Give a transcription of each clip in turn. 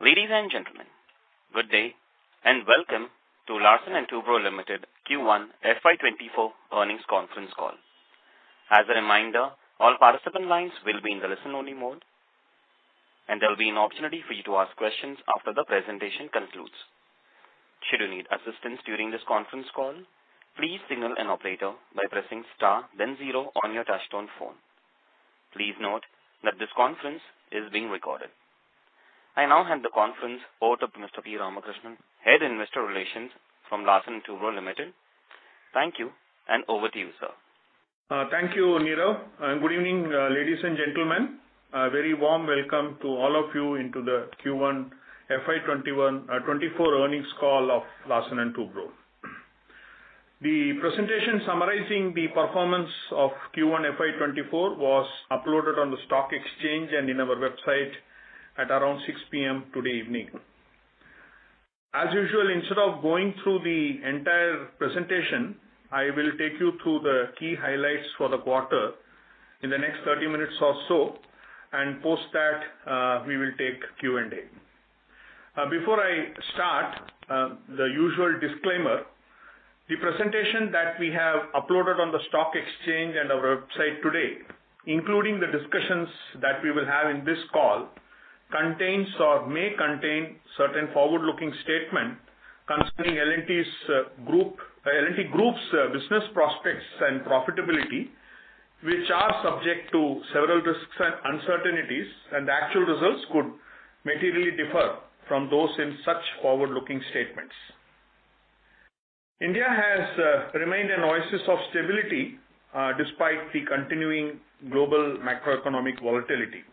Ladies and gentlemen, good day, and welcome to Larsen & Toubro Limited Q1 FY 2024 earnings conference call. As a reminder, all participant lines will be in the listen-only mode, and there will be an opportunity for you to ask questions after the presentation concludes. Should you need assistance during this conference call, please signal an operator by pressing star then zero on your touchtone phone. Please note that this conference is being recorded. I now hand the conference over to Mr. P. Ramakrishnan, Head Investor Relations from Larsen & Toubro Limited. Thank you, and over to you, sir. Thank you, Nirav, good evening, ladies and gentlemen. A very warm welcome to all of you into the Q1 FY 2024 earnings call of Larsen & Toubro. The presentation summarizing the performance of Q1 FY 2024 was uploaded on the stock exchange and in our website at around 6:00 P.M. today evening. As usual, instead of going through the entire presentation, I will take you through the key highlights for the quarter in the next 30 minutes or so, and post that, we will take Q&A. Before I start, the usual disclaimer, the presentation that we have uploaded on the stock exchange and our website today, including the discussions that we will have in this call, contains or may contain certain forward-looking statements concerning L&T's L&T Group's business prospects and profitability, which are subject to several risks and uncertainties. The actual results could materially differ from those in such forward-looking statements. India has remained an oasis of stability despite the continuing global macroeconomic volatility.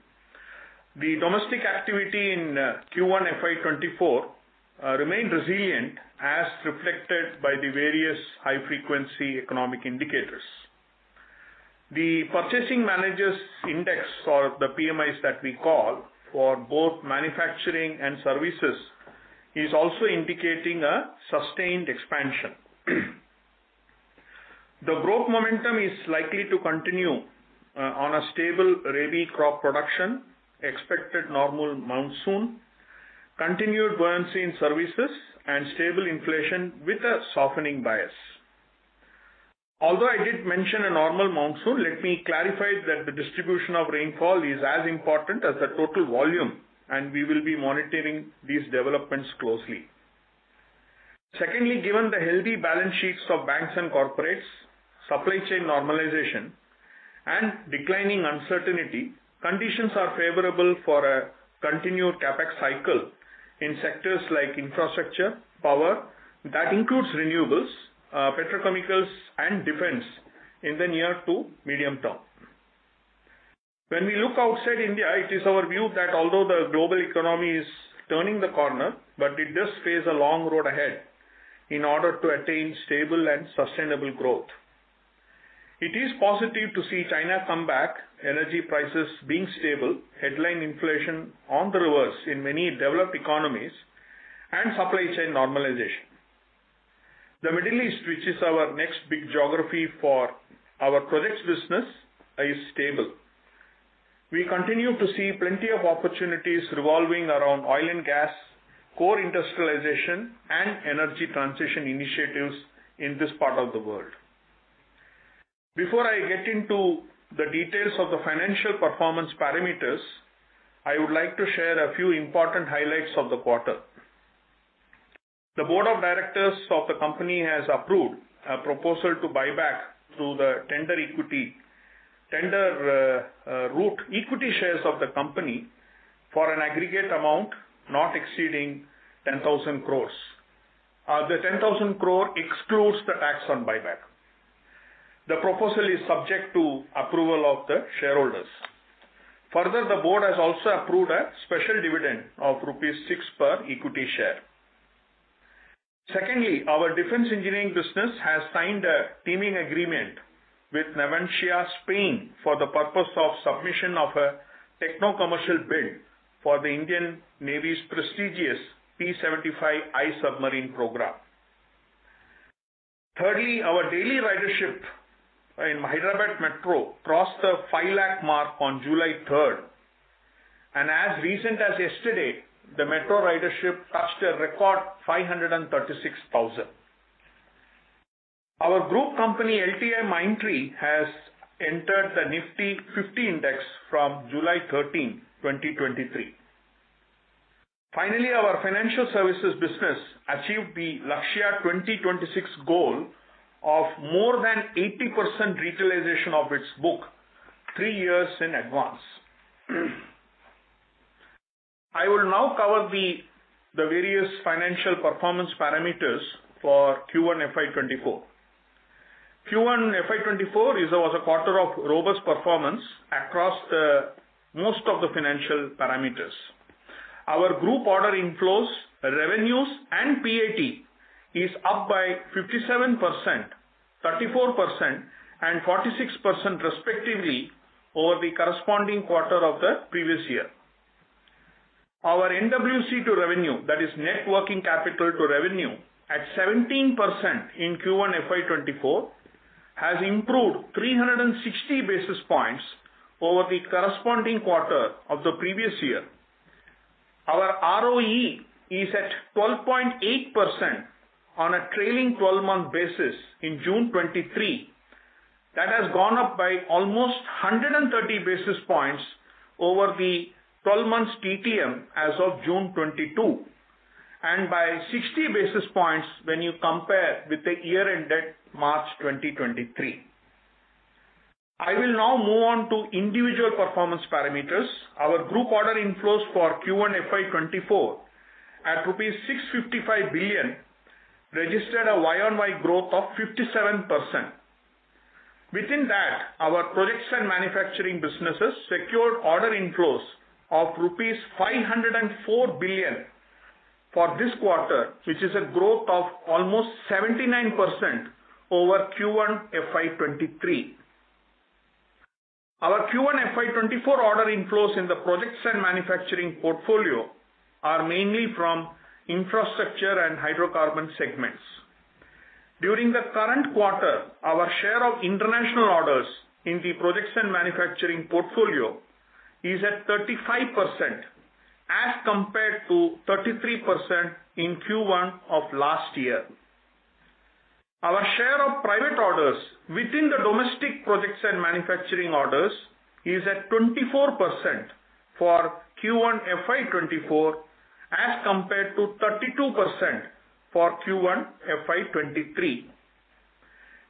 The domestic activity in Q1 FY 2024 remained resilient, as reflected by the various high-frequency economic indicators. The Purchasing Managers' Index, or the PMIs that we call, for both manufacturing and services, is also indicating a sustained expansion. The growth momentum is likely to continue, on a stable Rabi crop production, expected normal monsoon, continued buoyancy in services, and stable inflation with a softening bias. Although I did mention a normal monsoon, let me clarify that the distribution of rainfall is as important as the total volume, and we will be monitoring these developments closely. Secondly, given the healthy balance sheets of banks and corporates, supply chain normalization and declining uncertainty, conditions are favorable for a continued capex cycle in sectors like infrastructure, power, that includes renewables, petrochemicals and defense in the near to medium term. When we look outside India, it is our view that although the global economy is turning the corner, but it does face a long road ahead in order to attain stable and sustainable growth. It is positive to see China come back, energy prices being stable, headline inflation on the reverse in many developed economies, and supply chain normalization. The Middle East, which is our next big geography for our projects business, is stable. We continue to see plenty of opportunities revolving around oil and gas, core industrialization, and energy transition initiatives in this part of the world. Before I get into the details of the financial performance parameters, I would like to share a few important highlights of the quarter. The Board of Directors of the company has approved a proposal to buy back through the tender route, equity shares of the company for an aggregate amount not exceeding 10,000 crore. The 10,000 crore excludes the tax on buyback. The proposal is subject to approval of the shareholders. Further, the board has also approved a special dividend of rupees 6 per equity share. Our defense engineering business has signed a teaming agreement with Navantia, Spain, for the purpose of submission of a techno-commercial bid for the Indian Navy's prestigious P-75I submarine program. Our daily ridership in Hyderabad Metro crossed the 5 lakh mark on July 3, and as recent as yesterday, the metro ridership touched a record 536,000. Our group company, LTIMindtree, has entered the NIFTY 50 Index from July 13, 2023. Our financial services business achieved the Lakshya 2026 goal of more than 80% retailization of its book three years in advance. I will now cover the various financial performance parameters for Q1 FY 2024. Q1 FY 2024 was a quarter of robust performance across the most of the financial parameters. Our group order inflows, revenues, and PAT is up by 57%, 34%, and 46% respectively, over the corresponding quarter of the previous year. Our NWC to revenue, that is net working capital to revenue, at 17% in Q1 FY 2024 has improved 360 basis points over the corresponding quarter of the previous year. Our ROE is at 12.8% on a trailing 12-month basis in June 2023. That has gone up by almost 130 basis points over the 12 months TTM as of June 2022, and by 60 basis points when you compare with the year-ended March 2023. I will now move on to individual performance parameters. Our group order inflows for Q1 FY 2024 at rupees 655 billion, registered a YoY growth of 57%. Within that, our projects and manufacturing businesses secured order inflows of rupees 504 billion for this quarter, which is a growth of almost 79% over Q1 FY 2023. Our Q1 FY 2024 order inflows in the projects and manufacturing portfolio are mainly from infrastructure and hydrocarbon segments. During the current quarter, our share of international orders in the projects and manufacturing portfolio is at 35%, as compared to 33% in Q1 of last year. Our share of private orders within the domestic projects and manufacturing orders is at 24% for Q1 FY 2024, as compared to 32% for Q1 FY 2023.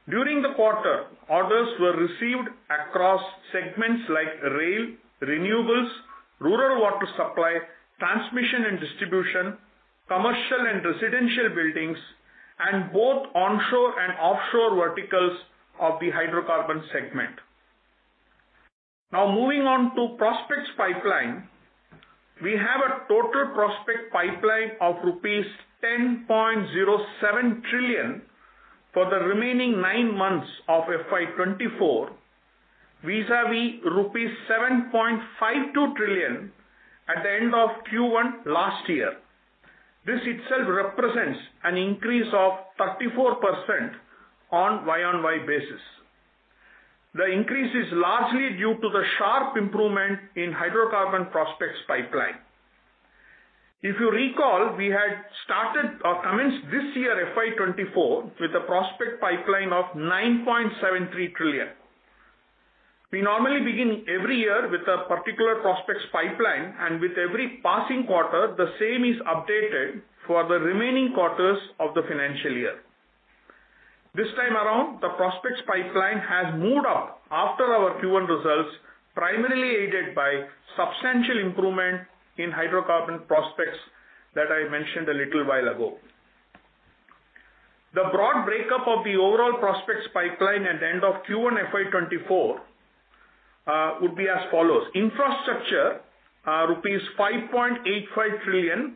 During the quarter, orders were received across segments like rail, renewables, rural water supply, transmission and distribution, commercial and residential buildings, and both onshore and offshore verticals of the hydrocarbon segment. Moving on to prospects pipeline. We have a total prospect pipeline of rupees 10.07 trillion for the remaining nine months of, vis-a-vis rupees 7.52 trillion at the end of Q1 last year. This itself represents an increase of 34% on YoY basis. The increase is largely due to the sharp improvement in hydrocarbon prospects pipeline. If you recall, we had started or commenced this year, FY 2024, with a prospect pipeline of 9.73 trillion. We normally begin every year with a particular prospects pipeline, and with every passing quarter, the same is updated for the remaining quarters of the financial year. This time around, the prospects pipeline has moved up after our Q1 results, primarily aided by substantial improvement in hydrocarbon prospects that I mentioned a little while ago. The broad breakup of the overall prospects pipeline at the end of Q1 FY 2024 would be as follows: Infrastructure, rupees 5.85 trillion,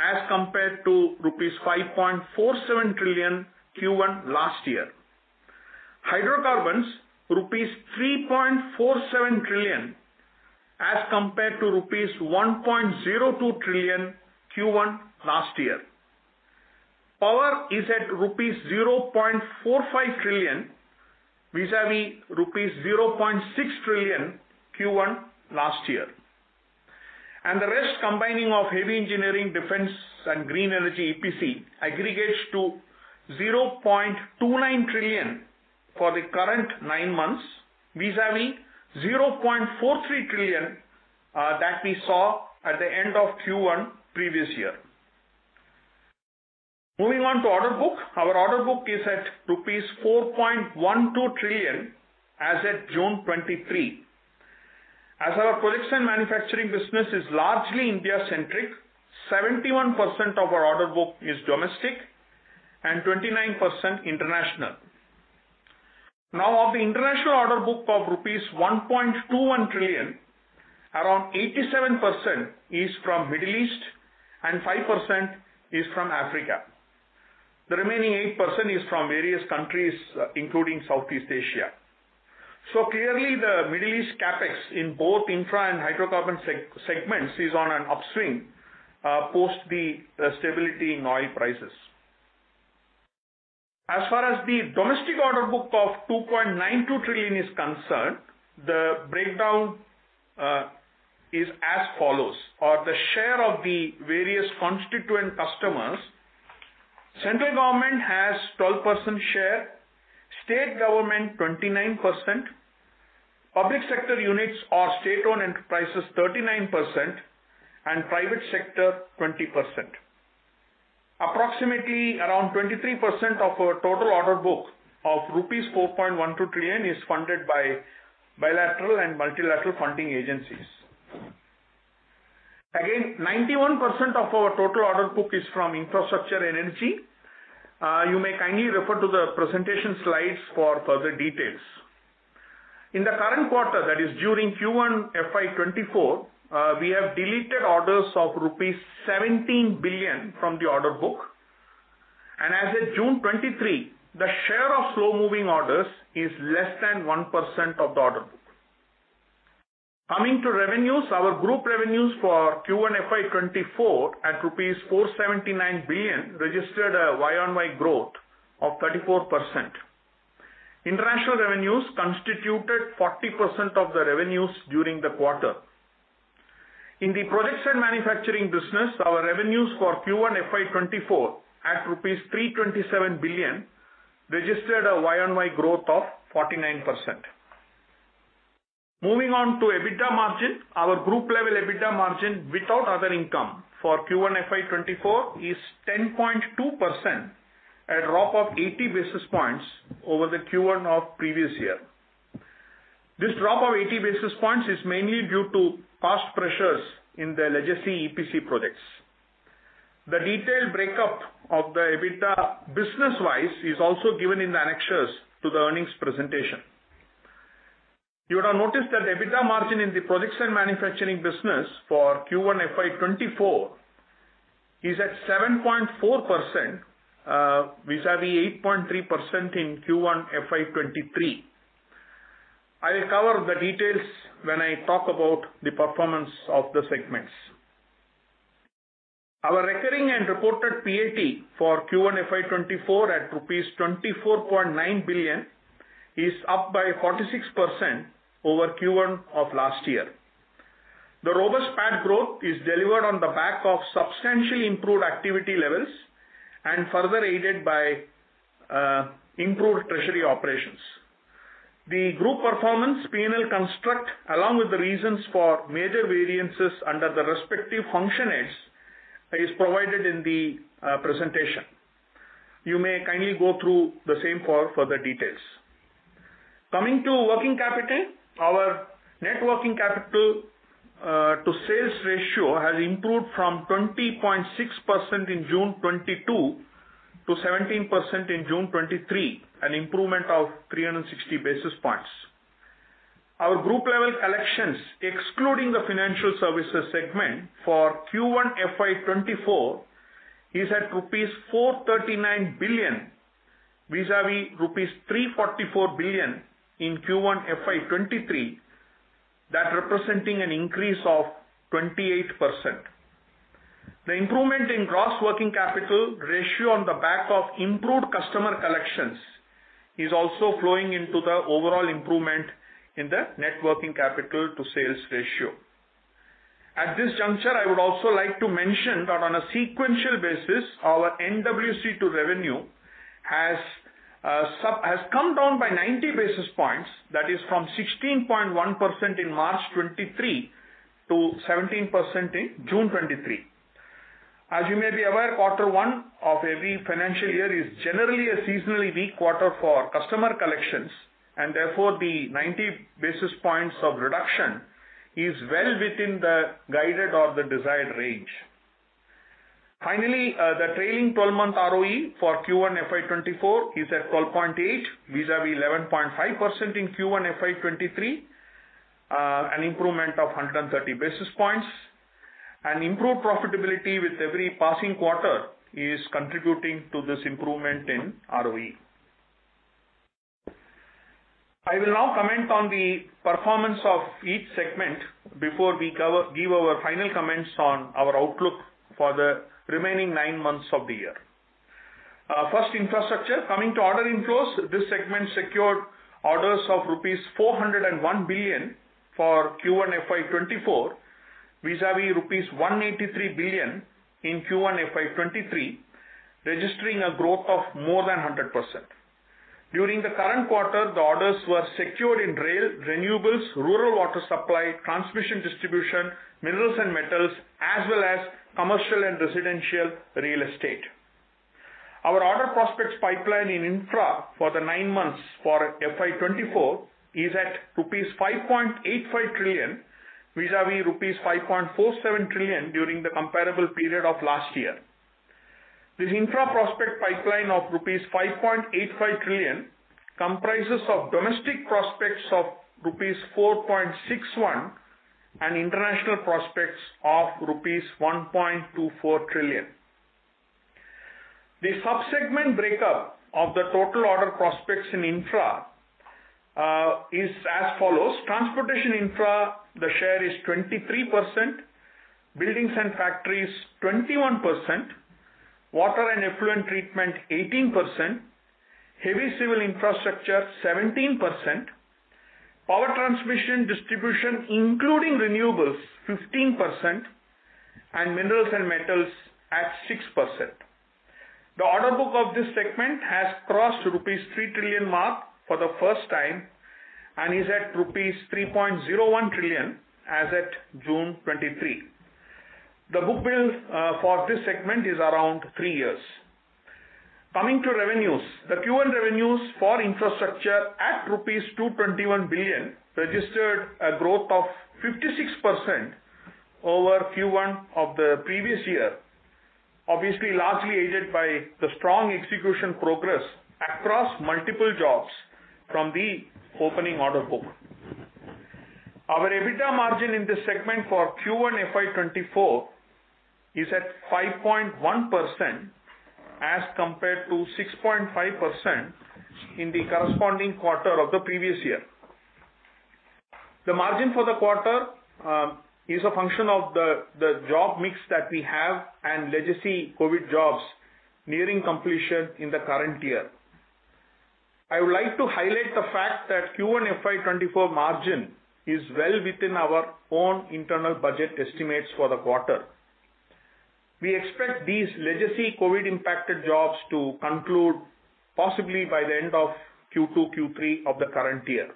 as compared to rupees 5.47 trillion, Q1 last year. Hydrocarbons, rupees 3.47 trillion, as compared to rupees 1.02 trillion, Q1 last year. Power is at rupees 0.45 trillion, vis-a-vis rupees 0.6 trillion, Q1 last year. The rest, combining of heavy engineering, defense and green energy EPC, aggregates to 0.29 trillion for the current nine months, vis-a-vis 0.43 trillion that we saw at the end of Q1 previous year. Moving on to order book. Our order book is at rupees 4.12 trillion, as at June 2023. As our projects and manufacturing business is largely India-centric, 71% of our order book is domestic and 29% international. Of the international order book of rupees 1.21 trillion, around 87% is from Middle East and 5% is from Africa. The remaining 8% is from various countries, including Southeast Asia. Clearly, the Middle East capex in both infra and hydrocarbon segments is on an upswing, post the stability in oil prices. As far as the domestic order book of 2.92 trillion is concerned, the breakdown is as follows, or the share of the various constituent customers: central government has 12% share, state government, 29%, public sector units or state-owned enterprises, 39%, and private sector, 20%. Approximately, around 23% of our total order book of rupees 4.12 trillion is funded by bilateral and multilateral funding agencies. Again, 91% of our total order book is from infrastructure energy. You may kindly refer to the presentation slides for further details. In the current quarter, that is during Q1, we have deleted orders of rupees 17 billion from the order book, and as at June 2023, the share of slow-moving orders is less than 1% of the order book. Coming to revenues, our group revenues for Q1 FY 2024 at INR 479 billion, registered a year-over-year growth of 34%. International revenues constituted 40% of the revenues during the quarter. In the projects and manufacturing business, our revenues for Q1 FY 2024 at INR 327 billion, registered a year-on-year growth of 49%. Moving on to EBITDA margin. Our group level EBITDA margin without other income for Q1 FY 2024 is 10.2%, a drop of 80 basis points over the Q1 of previous year. This drop of 80 basis points is mainly due to past pressures in the legacy EPC projects. The detailed breakup of the EBITDA business-wise is also given in the annexures to the earnings presentation. You would have noticed that EBITDA margin in the projects and manufacturing business for Q1 FY 2024 is at 7.4% vis-à-vis 8.3% in Q1 FY 2023. I will cover the details when I talk about the performance of the segments. Our recurring and reported PAT for Q1 FY 2024 at rupees 24.9 billion, is up by 46% over Q1 of last year. The robust PAT growth is delivered on the back of substantially improved activity levels and further aided by improved treasury operations. The group performance P&L construct, along with the reasons for major variances under the respective function aids, is provided in the presentation. You may kindly go through the same for further details. Coming to working capital, our net working capital to sales ratio has improved from 20.6% in June 2022 to 17% in June 2023, an improvement of 360 basis points. Our group level collections, excluding the financial services segment for Q1 FY 2024, is at 439 billion rupees, vis-à-vis 344 billion rupees in Q1 FY 2023. That representing an increase of 28%. The improvement in gross working capital ratio on the back of improved customer collections, is also flowing into the overall improvement in the net working capital to sales ratio. At this juncture, I would also like to mention that on a sequential basis, our NWC to revenue has come down by 90 basis points. That is from 16.1% in March 2023 to 17% in June 2023. As you may be aware, quarter one of every financial year is generally a seasonally weak quarter for customer collections, therefore, the 90 basis points of reduction is well within the guided or the desired range. Finally, the trailing twelve-month ROE for Q1 FY 2024 is at 12.8%, vis-à-vis 11.5% in Q1 FY 2023, an improvement of 130 basis points. An improved profitability with every passing quarter is contributing to this improvement in ROE. I will now comment on the performance of each segment before we give our final comments on our outlook for the remaining nine months of the year. First, infrastructure. Coming to order inflows, this segment secured orders of rupees 401 billion for Q1 FY 2024, vis-à-vis rupees 183 billion in Q1 FY 2023, registering a growth of more than 100%. During the current quarter, the orders were secured in rail, renewables, rural water supply, transmission distribution, minerals and metals, as well as commercial and residential real estate. Our order prospects pipeline in infra for the nine months for FY 2024 is at rupees 5.85 trillion, vis-à-vis rupees 5.47 trillion during the comparable period of last year. This infra prospect pipeline of rupees 5.85 trillion, comprises of domestic prospects of rupees 4.61 trillion, and international prospects of rupees 1.24 trillion. The sub-segment breakup of the total order prospects in infra is as follows: transportation infra, the share is 23%; buildings and factories, 21%; water and effluent treatment, 18%; heavy civil infrastructure, 17%; power transmission distribution, including renewables, 15%; and minerals and metals, at 6%. The order book of this segment has crossed rupees 3 trillion mark for the first time and is at rupees 3.01 trillion as at June 2023. The book build for this segment is around three years. Coming to revenues. The Q1 revenues for infrastructure at rupees 221 billion, registered a growth of 56% over Q1 of the previous year. Obviously, largely aided by the strong execution progress across multiple jobs from the opening order book. Our EBITDA margin in this segment for Q1 FY 2024 is at 5.1% as compared to 6.5% in the corresponding quarter of the previous year. The margin for the quarter is a function of the job mix that we have and legacy COVID jobs nearing completion in the current year. I would like to highlight the fact that Q1 FY 2024 margin is well within our own internal budget estimates for the quarter. We expect these legacy COVID-impacted jobs to conclude possibly by the end of Q2, Q3 of the current year.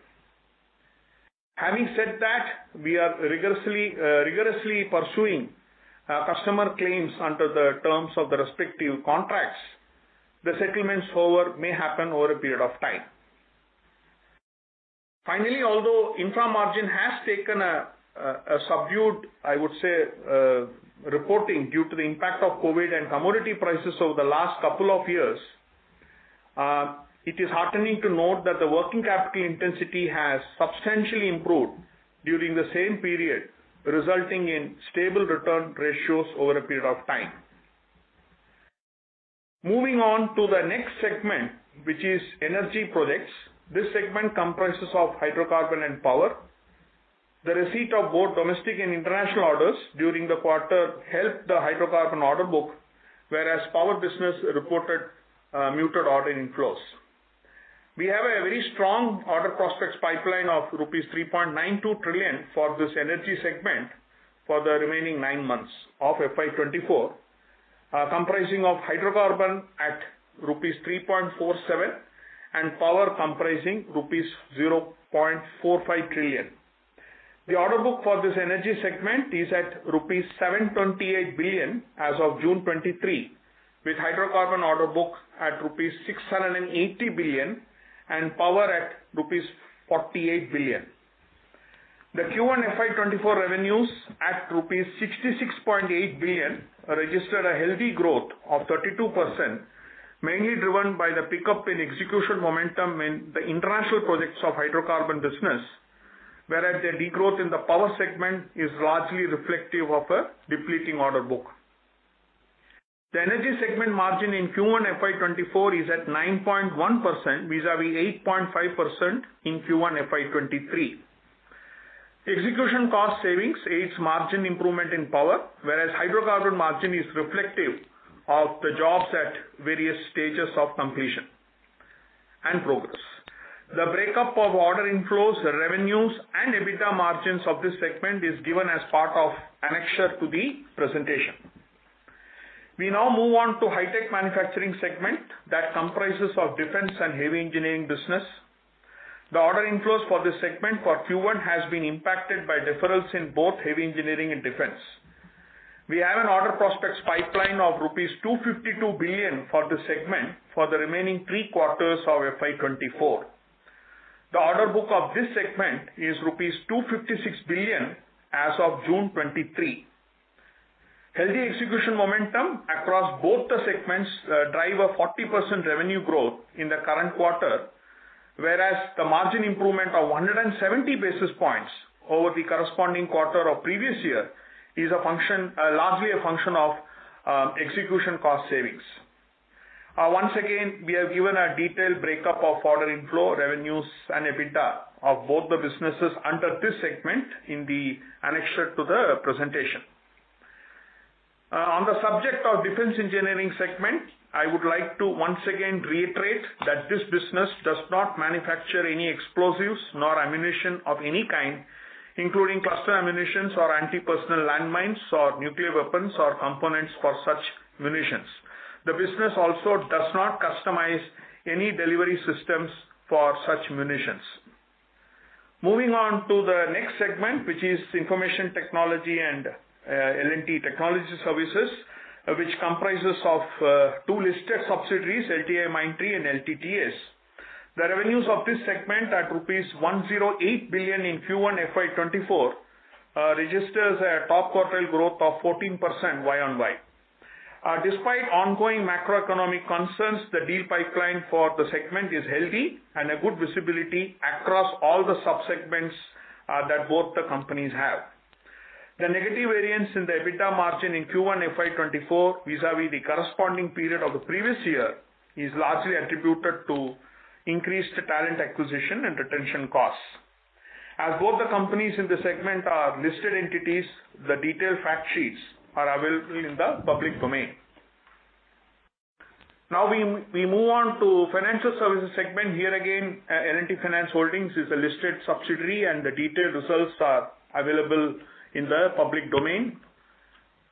Having said that, we are rigorously pursuing customer claims under the terms of the respective contracts. The settlements, however, may happen over a period of time. Finally, although infra margin has taken a subdued, I would say, reporting due to the impact of COVID and commodity prices over the last couple of years, it is heartening to note that the working capital intensity has substantially improved during the same period, resulting in stable return ratios over a period of time. Moving on to the next segment, which is energy projects. This segment comprises of hydrocarbon and power. The receipt of both domestic and international orders during the quarter helped the hydrocarbon order book, whereas power business reported muted order inflows. We have a very strong order prospects pipeline of rupees 3.92 trillion for this energy segment for the remaining nine months of FY 2024, comprising of hydrocarbon at rupees 3.47 trillion, and power comprising rupees 0.45 trillion. The order book for this energy segment is at rupees 728 billion as of June 2023, with hydrocarbon order book at rupees 680 billion and power at rupees 48 billion. The Q1 FY 2024 revenues at rupees 66.8 billion, registered a healthy growth of 32%, mainly driven by the pickup in execution momentum in the international projects of hydrocarbon business. The degrowth in the power segment is largely reflective of a depleting order book. The energy segment margin in Q1 FY 2024 is at 9.1%, vis-à-vis 8.5% in Q1 FY 2023. Execution cost savings aids margin improvement in power, whereas hydrocarbon margin is reflective of the jobs at various stages of completion and progress. The breakup of order inflows, the revenues and EBITDA margins of this segment is given as part of annexure to the presentation. We now move on to high-tech manufacturing segment that comprises of defense and heavy engineering business. The order inflows for this segment for Q1 has been impacted by deferrals in both heavy engineering and defense. We have an order prospects pipeline of rupees 252 billion for this segment for the remaining three quarters of FY 2024. The order book of this segment is rupees 256 billion as of June 2023. Healthy execution momentum across both the segments drive a 40% revenue growth in the current quarter, whereas the margin improvement of 170 basis points over the corresponding quarter of previous year is largely a function of execution cost savings. Once again, we have given a detailed breakup of order inflow, revenues and EBITDA of both the businesses under this segment in the annexure to the presentation. On the subject of defense engineering segment, I would like to once again reiterate that this business does not manufacture any explosives nor ammunition of any kind, including cluster ammunitions or anti-personnel landmines, or nuclear weapons, or components for such munitions. The business also does not customize any delivery systems for such munitions. Moving on to the next segment, which is information technology and L&T Technology Services, which comprises of two listed subsidiaries, LTIMindtree and LTTS. The revenues of this segment at rupees 108 billion in Q1 registers a top quartile growth of 14% YoY. Despite ongoing macroeconomic concerns, the deal pipeline for the segment is healthy and a good visibility across all the subsegments that both the companies have. The negative variance in the EBITDA margin in Q1 FY2024, these are the corresponding period of the previous year, these lastly attributed to increase the talent acquisition and detention process. As of the companies in the segment are listed entities, the detailed fact sheets are available in the public domain. We move on to financial services segment. Here again, L&T Finance Holdings is a listed subsidiary, the detailed results are available in the public domain.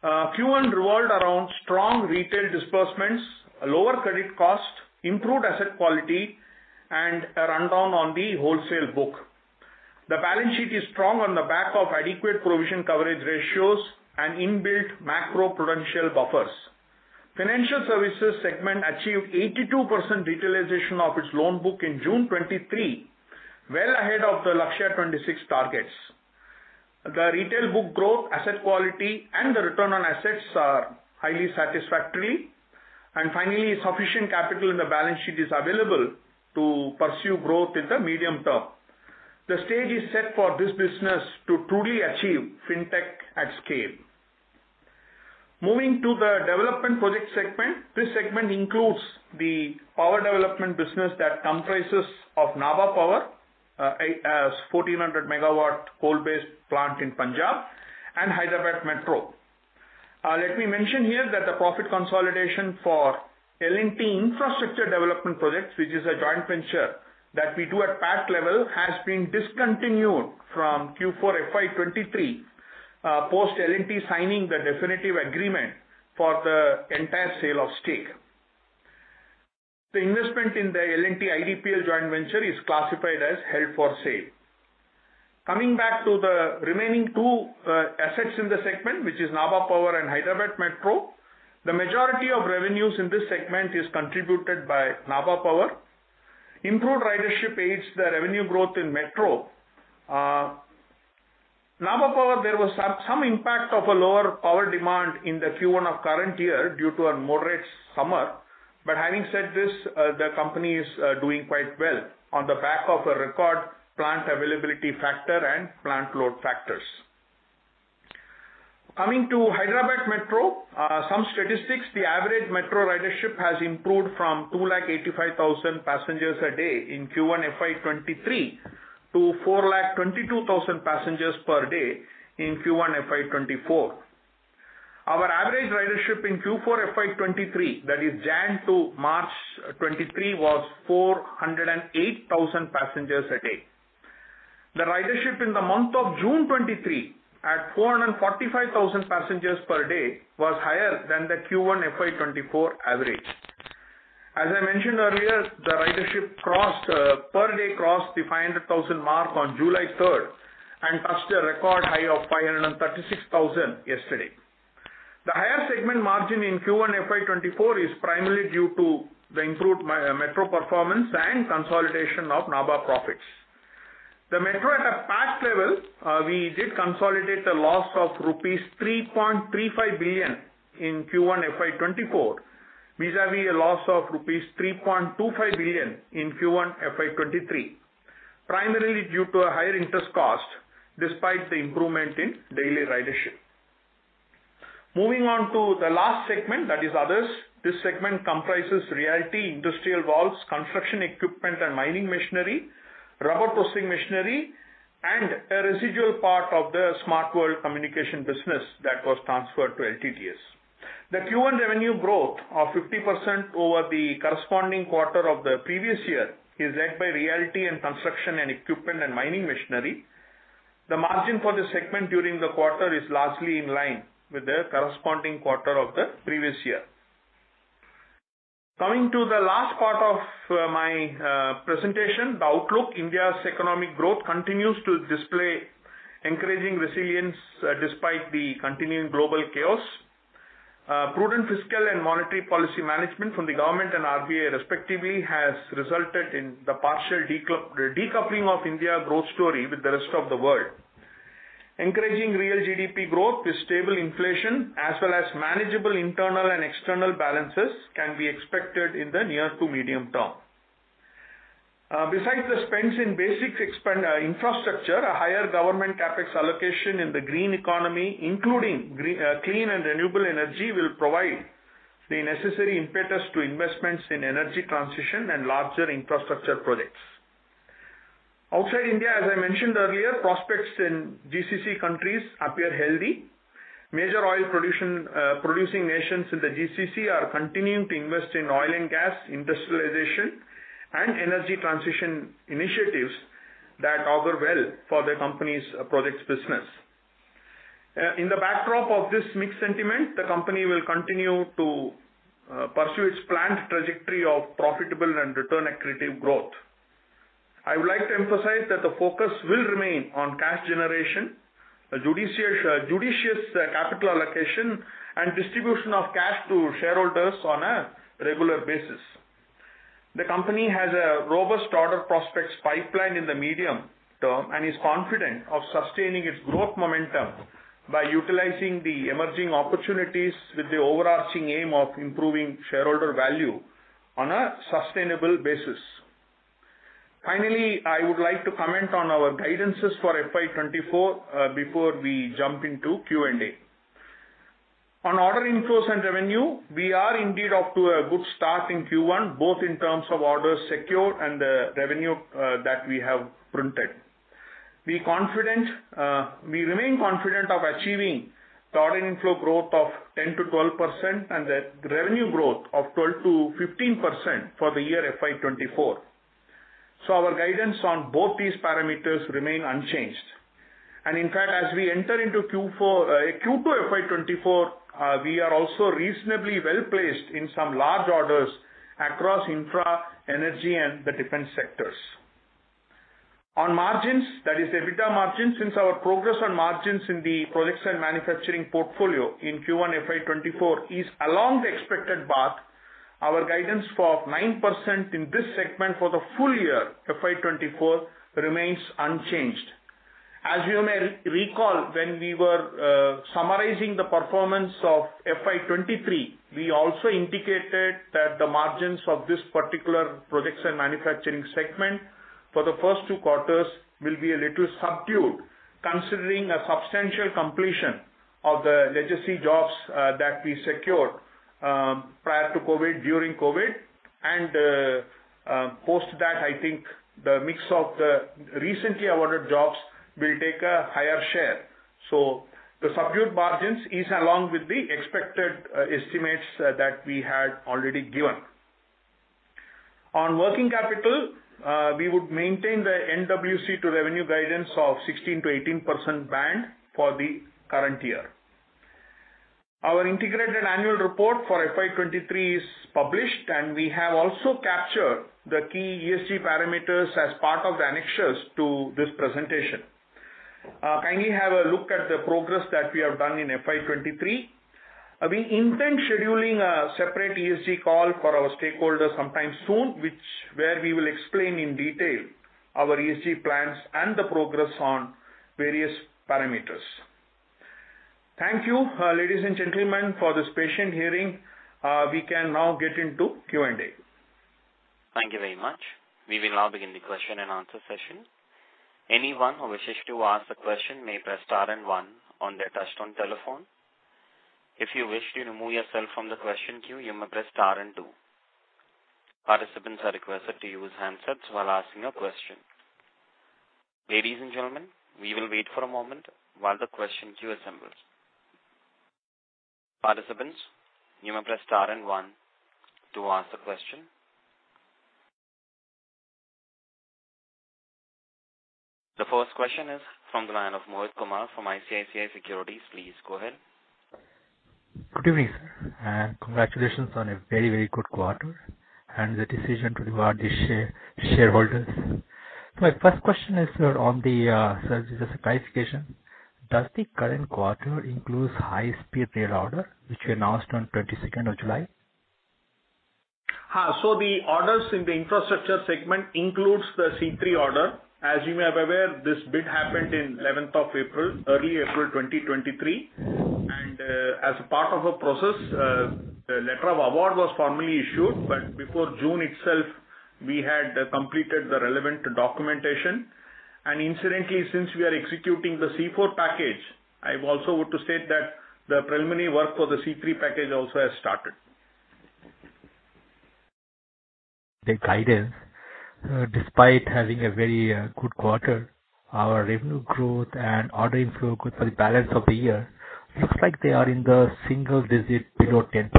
Q1 revolved around strong retail disbursements, a lower credit cost, improved asset quality, a rundown on the wholesale book. The balance sheet is strong on the back of adequate provision coverage ratios and inbuilt macroprudential buffers. Financial services segment achieved 82% retailization of its loan book in June 2023, well ahead of the Lakshya 2026 targets. The retail book growth, asset quality, and the return on assets are highly satisfactory. Finally, sufficient capital in the balance sheet is available to pursue growth in the medium term. The stage is set for this business to truly achieve Fintech at scale. Moving to the development project segment. This segment includes the power development business that comprises of Nabha Power, as 1,400 MW coal-based plant in Punjab and Hyderabad Metro. Let me mention here that the profit consolidation for L&T Infrastructure Development Projects, which is a joint venture that we do at pack level, has been discontinued from Q4 FY 2023, post L&T signing the definitive agreement for the entire sale of stake. The investment in the L&T IDPL joint venture is classified as held for sale. Coming back to the remaining two assets in the segment, which is Nabha Power and Hyderabad Metro. The majority of revenues in this segment is contributed by Nabha Power. Improved ridership aids the revenue growth in Metro. Nabha Power, there was some impact of a lower power demand in the Q1 of current year due to a moderate summer. Having said this, the company is doing quite well on the back of a record plant availability factor and plant load factors. Coming to Hyderabad Metro, some statistics. The average metro ridership has improved from 285,000 passengers a day in Q1 FY 2023, to 422,000 passengers per day in Q1 FY 2024. Our average ridership in Q4 FY 2023, that is January to March 2023, was 408,000 passengers a day. The ridership in the month of June 2023, at 445,000 passengers per day, was higher than the Q1 FY 2024 average. As I mentioned earlier, the ridership crossed, per day, crossed the 500,000 mark on July 3rd and touched a record high of 536,000 yesterday. The higher segment margin in Q1 FY 2024 is primarily due to the improved metro performance and consolidation of Nabha Power profits. The metro at a past level, we did consolidate the loss of rupees 3.35 billion in Q1 FY2024, vis-a-vis a loss of rupees 3.25 billion in Q1 FY 2023, primarily due to a higher interest cost despite the improvement in daily ridership. Moving on to the last segment, that is others. This segment comprises realty, industrial valves, construction equipment and mining machinery, rubber processing machinery, and a residual part of the Smart World & Communication business that was transferred to LTTS. The Q1 revenue growth of 50% over the corresponding quarter of the previous year, is led by realty and construction and equipment and mining machinery. The margin for the segment during the quarter is largely in line with the corresponding quarter of the previous year. Coming to the last part of my presentation, the outlook. India's economic growth continues to display encouraging resilience despite the continuing global chaos. Prudent fiscal and monetary policy management from the government and RBI respectively, has resulted in the partial decoupling of India growth story with the rest of the world. Encouraging real GDP growth with stable inflation, as well as manageable internal and external balances, can be expected in the near to medium term. Besides the spends in basic expand infrastructure, a higher government CapEx allocation in the green economy, including clean and renewable energy, will provide the necessary impetus to investments in energy transition and larger infrastructure projects. Outside India, as I mentioned earlier, prospects in GCC countries appear healthy. Major oil production producing nations in the GCC are continuing to invest in oil and gas industrialization and energy transition initiatives that augur well for the company's projects business. In the backdrop of this mixed sentiment, the company will continue to pursue its planned trajectory of profitable and return accretive growth. I would like to emphasize that the focus will remain on cash generation, a judicious capital allocation and distribution of cash to shareholders on a regular basis. The company has a robust order prospects pipeline in the medium term, and is confident of sustaining its growth momentum by utilizing the emerging opportunities with the overarching aim of improving shareholder value on a sustainable basis. Finally, I would like to comment on our guidances for FY 2024, before we jump into Q&A. On order inflows and revenue, we are indeed off to a good start in Q1, both in terms of orders secure and the revenue that we have printed. We remain confident of achieving the order inflow growth of 10%-12%, and the revenue growth of 12%-15% for the year FY 2024. Our guidance on both these parameters remain unchanged. In fact, as we enter into Q4, Q2 FY 2024, we are also reasonably well-placed in some large orders across infra, energy, and the defense sectors. On margins, that is EBITDA margins. Since our progress on margins in the projects and manufacturing portfolio in Q1 FY 2024 is along the expected path, our guidance for 9% in this segment for the full year, FY 2024, remains unchanged. As you may recall, when we were summarizing the performance of FY 2023, we also indicated that the margins of this particular projects and manufacturing segment for the first two quarters will be a little subdued, considering a substantial completion of the legacy jobs that we secured prior to COVID, during COVID. Post that, I think the mix of the recently awarded jobs will take a higher share. The subdued margins is along with the expected estimates that we had already given. On working capital, we would maintain the NWC to revenue guidance of 16%-18% band for the current year. Our integrated annual report for FY 2023 is published, and we have also captured the key ESG parameters as part of the annexures to this presentation. Kindly have a look at the progress that we have done in FY 2023. We intend scheduling a separate ESG call for our stakeholders sometime soon, which where we will explain in detail our ESG plans and the progress on various parameters. Thank you, ladies and gentlemen, for this patient hearing. We can now get into Q&A. Thank you very much. We will now begin the question and answer session. Anyone who wishes to ask a question may press star and one on their touchtone telephone. If you wish to remove yourself from the question queue, you may press star and two. Participants are requested to use handsets while asking a question. Ladies and gentlemen, we will wait for a moment while the question queue assembles. Participants, you may press star and one to ask a question. The first question is from the line of Mohit Kumar from ICICI Securities. Please go ahead. Good evening, sir, and congratulations on a very, very good quarter and the decision to reward the shareholders. My first question is, sir, as a clarification, does the current quarter includes high-speed rail order, which you announced on 22nd of July? The orders in the infrastructure segment includes the C-3 order. As you may be aware, this bid happened in 11th of April, early April 2023. As part of a process, the letter of award was formally issued, but before June itself, we had completed the relevant documentation. Incidentally, since we are executing the C-4 package, I also want to state that the preliminary work for the C-3 package also has started. The guidance, despite having a very good quarter, our revenue growth and order inflow for the balance of the year, looks like they are in the single digit below 10%.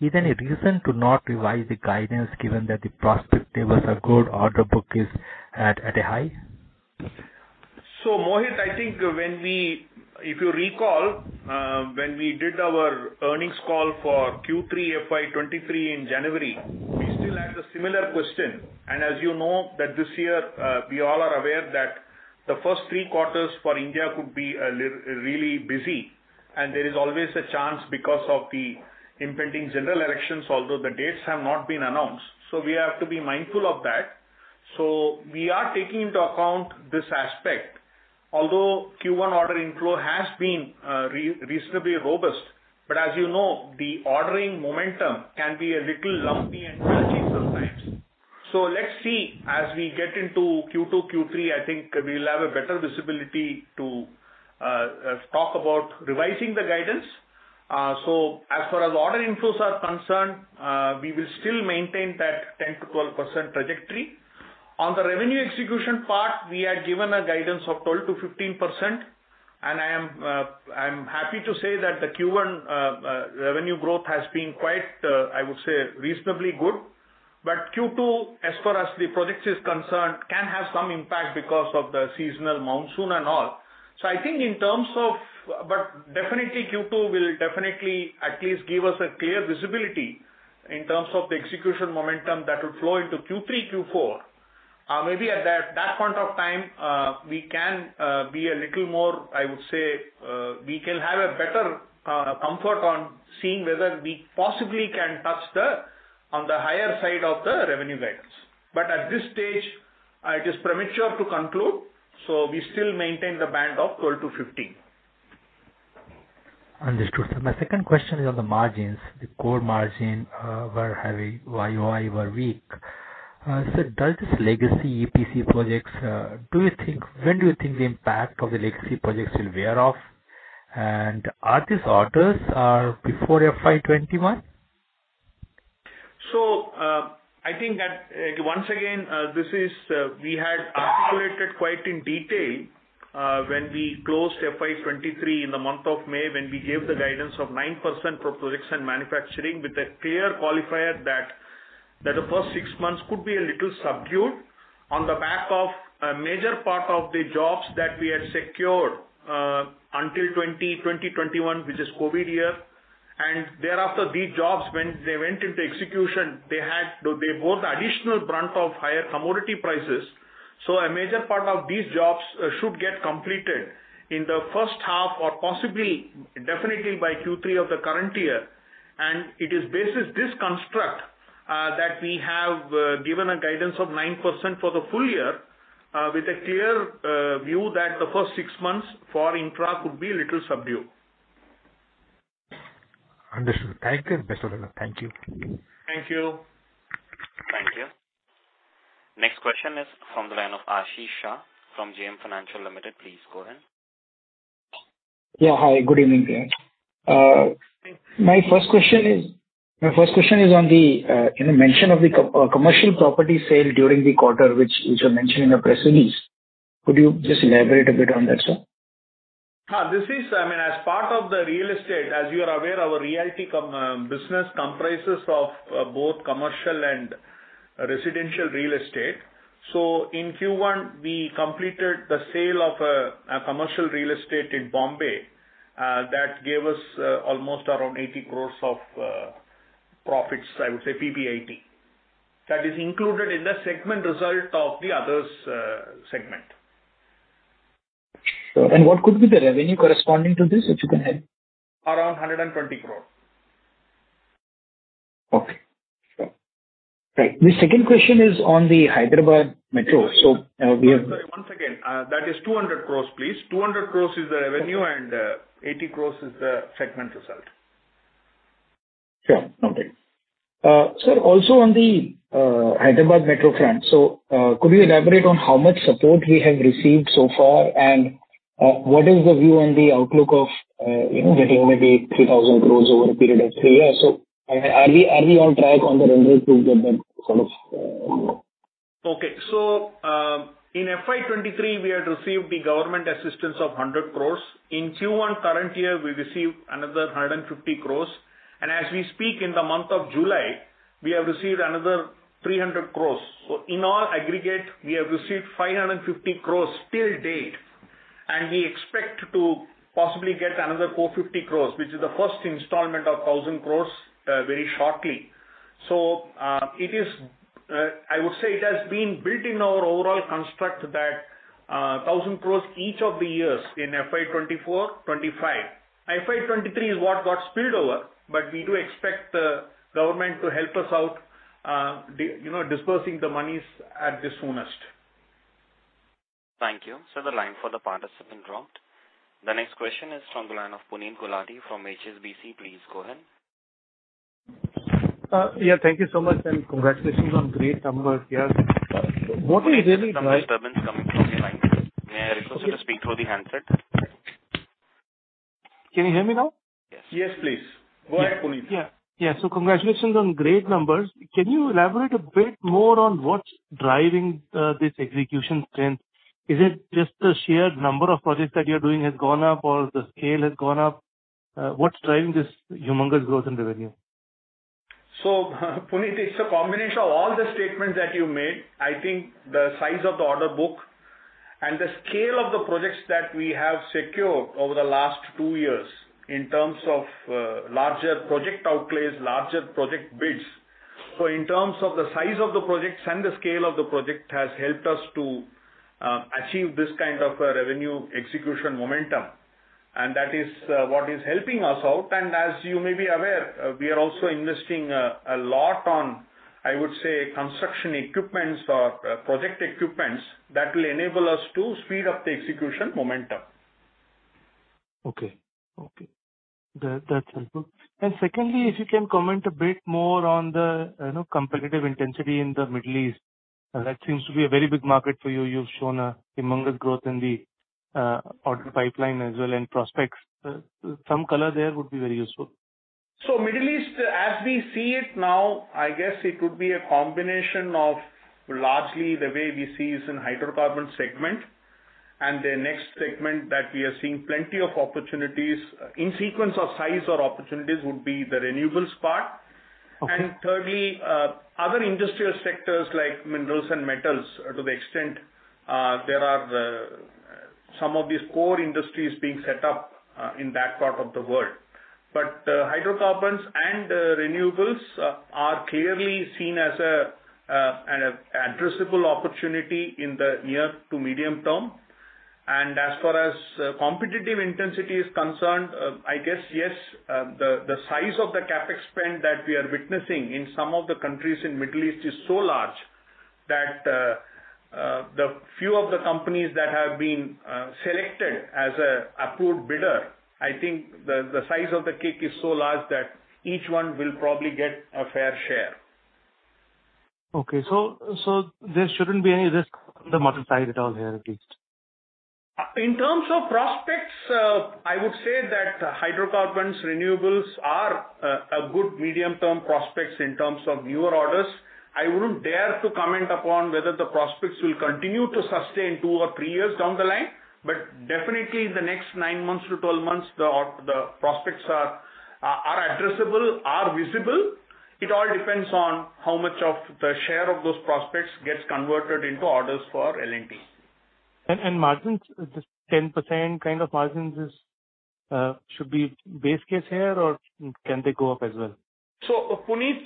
Is there any reason to not revise the guidance given that the prospect tables are good, order book is at a high? Mohit Kumar, I think if you recall, when we did our earnings call for Q3 FY 2023 in January, we still asked a similar question. As you know that this year, we all are aware that the first three quarters for India could be really busy, and there is always a chance because of the impending general elections, although the dates have not been announced, we have to be mindful of that. We are taking into account this aspect. Although Q1 order inflow has been reasonably robust, as you know, the ordering momentum can be a little lumpy and patchy sometimes. Let's see, as we get into Q2, Q3, I think we'll have a better visibility to talk about revising the guidance. As far as order inflows are concerned, we will still maintain that 10%-12% trajectory. On the revenue execution part, we had given a guidance of 12%-15%, and I am happy to say that the Q1 revenue growth has been quite, I would say, reasonably good. Q2, as far as the projects is concerned, can have some impact because of the seasonal monsoon and all. Definitely, Q2 will definitely at least give us a clear visibility in terms of the execution momentum that would flow into Q3, Q4. Maybe at that point of time, we can be a little more, I would say, we can have a better comfort on seeing whether we possibly can touch on the higher side of the revenue guidance. At this stage, it is premature to conclude, so we still maintain the band of 12%-15%. Understood, sir. My second question is on the margins. The core margin, were having, YoY were weak. Does this legacy EPC projects, when do you think the impact of the legacy projects will wear off? Are these orders are before FY 2021? I think that, once again, this is, we had articulated quite in detail, when we closed FY 2023 in the month of May, when we gave the guidance of 9% for projects and manufacturing, with a clear qualifier that the first six months could be a little subdued on the back of a major part of the jobs that we had secured until 2021, which is COVID year. Thereafter, these jobs, when they went into execution, they had to bear both the additional brunt of higher commodity prices. A major part of these jobs should get completed in the first half or possibly, definitely by Q3 of the current year. It is based on this construct. that we have given a guidance of 9% for the full year, with a clear view that the first six months for L&T could be a little subdued. Understood. Thank you, Basudeb. Thank you. Thank you. Thank you. Next question is from the line of Ashish Shah from JM Financial Limited. Please go ahead. Yeah, hi, good evening to you. My first question is on the, you know, mention of the commercial property sale during the quarter, which you mentioned in the press release. Could you just elaborate a bit on that, sir? This is, I mean, as part of the real estate, as you are aware, our realty business comprises of both commercial and residential real estate. In Q1, we completed the sale of a commercial real estate in Bombay, that gave us almost around 80 crore of profits, I would say, PBIT. That is included in the segment result of the others segment. Sure. What could be the revenue corresponding to this, if you can help? Around 120 crores. Okay. Sure. Right, the second question is on the Hyderabad Metro. Sorry, once again, that is 200 crores, please. 200 crores is the revenue and 80 crores is the segment result. Sure. Okay. sir, also on the Hyderabad Metro front, could you elaborate on how much support we have received so far? what is the view on the outlook of, you know, getting maybe 3,000 crore over a period of three years? are we on track on the rendering to get that sort of? In FY 2023, we had received the government assistance of 100 crores. In Q1 current year, we received another 150 crores. As we speak, in the month of July, we have received another 300 crores. In all, aggregate, we have received 550 crores till date, and we expect to possibly get another 450 crores, which is the first installment of 1,000 crores very shortly. It is, I would say it has been built in our overall construct that 1,000 crores each of the years in, FY 2025. FY 2023 is what got spilled over. We do expect the government to help us out, the, you know, disbursing the monies at the soonest. Thank you. Sir, the line for the participant dropped. The next question is from the line of Puneet Gulati from HSBC. Please go ahead. Yeah, thank you so much, and congratulations on great numbers here. Some disturbance coming from your line. May I request you to speak through the handset? Can you hear me now? Yes. Yes, please. Go ahead, Puneet. Yeah. Congratulations on great numbers. Can you elaborate a bit more on what's driving this execution strength? Is it just the sheer number of projects that you're doing has gone up or the scale has gone up? What's driving this humongous growth in the revenue? Puneet, it's a combination of all the statements that you made. I think the size of the order book and the scale of the projects that we have secured over the last two years in terms of larger project outlays, larger project bids. In terms of the size of the projects and the scale of the project, has helped us to achieve this kind of a revenue execution momentum, and that is what is helping us out. As you may be aware, we are also investing a lot on, I would say, construction equipments or project equipments that will enable us to speed up the execution momentum. Okay. Okay, that's helpful. Secondly, if you can comment a bit more on the, you know, competitive intensity in the Middle East, that seems to be a very big market for you. You've shown a humongous growth in the order pipeline as well, and prospects. Some color there would be very useful. Middle East, as we see it now, I guess it would be a combination of largely the way we see it in hydrocarbon segment. The next segment that we are seeing plenty of opportunities, in sequence of size or opportunities, would be the renewables part. Okay. Thirdly, other industrial sectors like minerals and metals, to the extent there are some of these core industries being set up in that part of the world. The hydrocarbons and the renewables are clearly seen as an addressable opportunity in the near to medium term. As far as competitive intensity is concerned, I guess, yes, the size of the CapEx spend that we are witnessing in some of the countries in Middle East is so large that the few of the companies that have been selected as an approved bidder, I think the size of the cake is so large that each one will probably get a fair share. Okay. there shouldn't be any risk on the margin side at all here, at least? In terms of prospects, I would say that hydrocarbons, renewables are a good medium-term prospects in terms of newer orders. I wouldn't dare to comment upon whether the prospects will continue to sustain two or three years down the line, but definitely in the next nine months to 12 months, the prospects are addressable, are visible. It all depends on how much of the share of those prospects gets converted into orders for L&T. Margins, this 10% kind of margins is should be base case here, or can they go up as well? Puneet,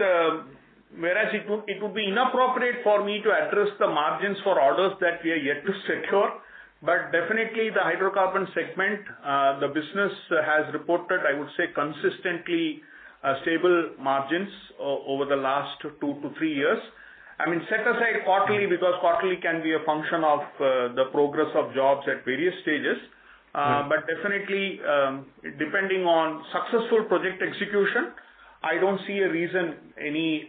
whereas it would be inappropriate for me to address the margins for orders that we are yet to secure, Definitely the hydrocarbon segment, the business has reported, I would say, consistently, stable margins over the last two to three years. I mean, set aside quarterly, because quarterly can be a function of the progress of jobs at various stages. Definitely, depending on successful project execution, I don't see a reason, any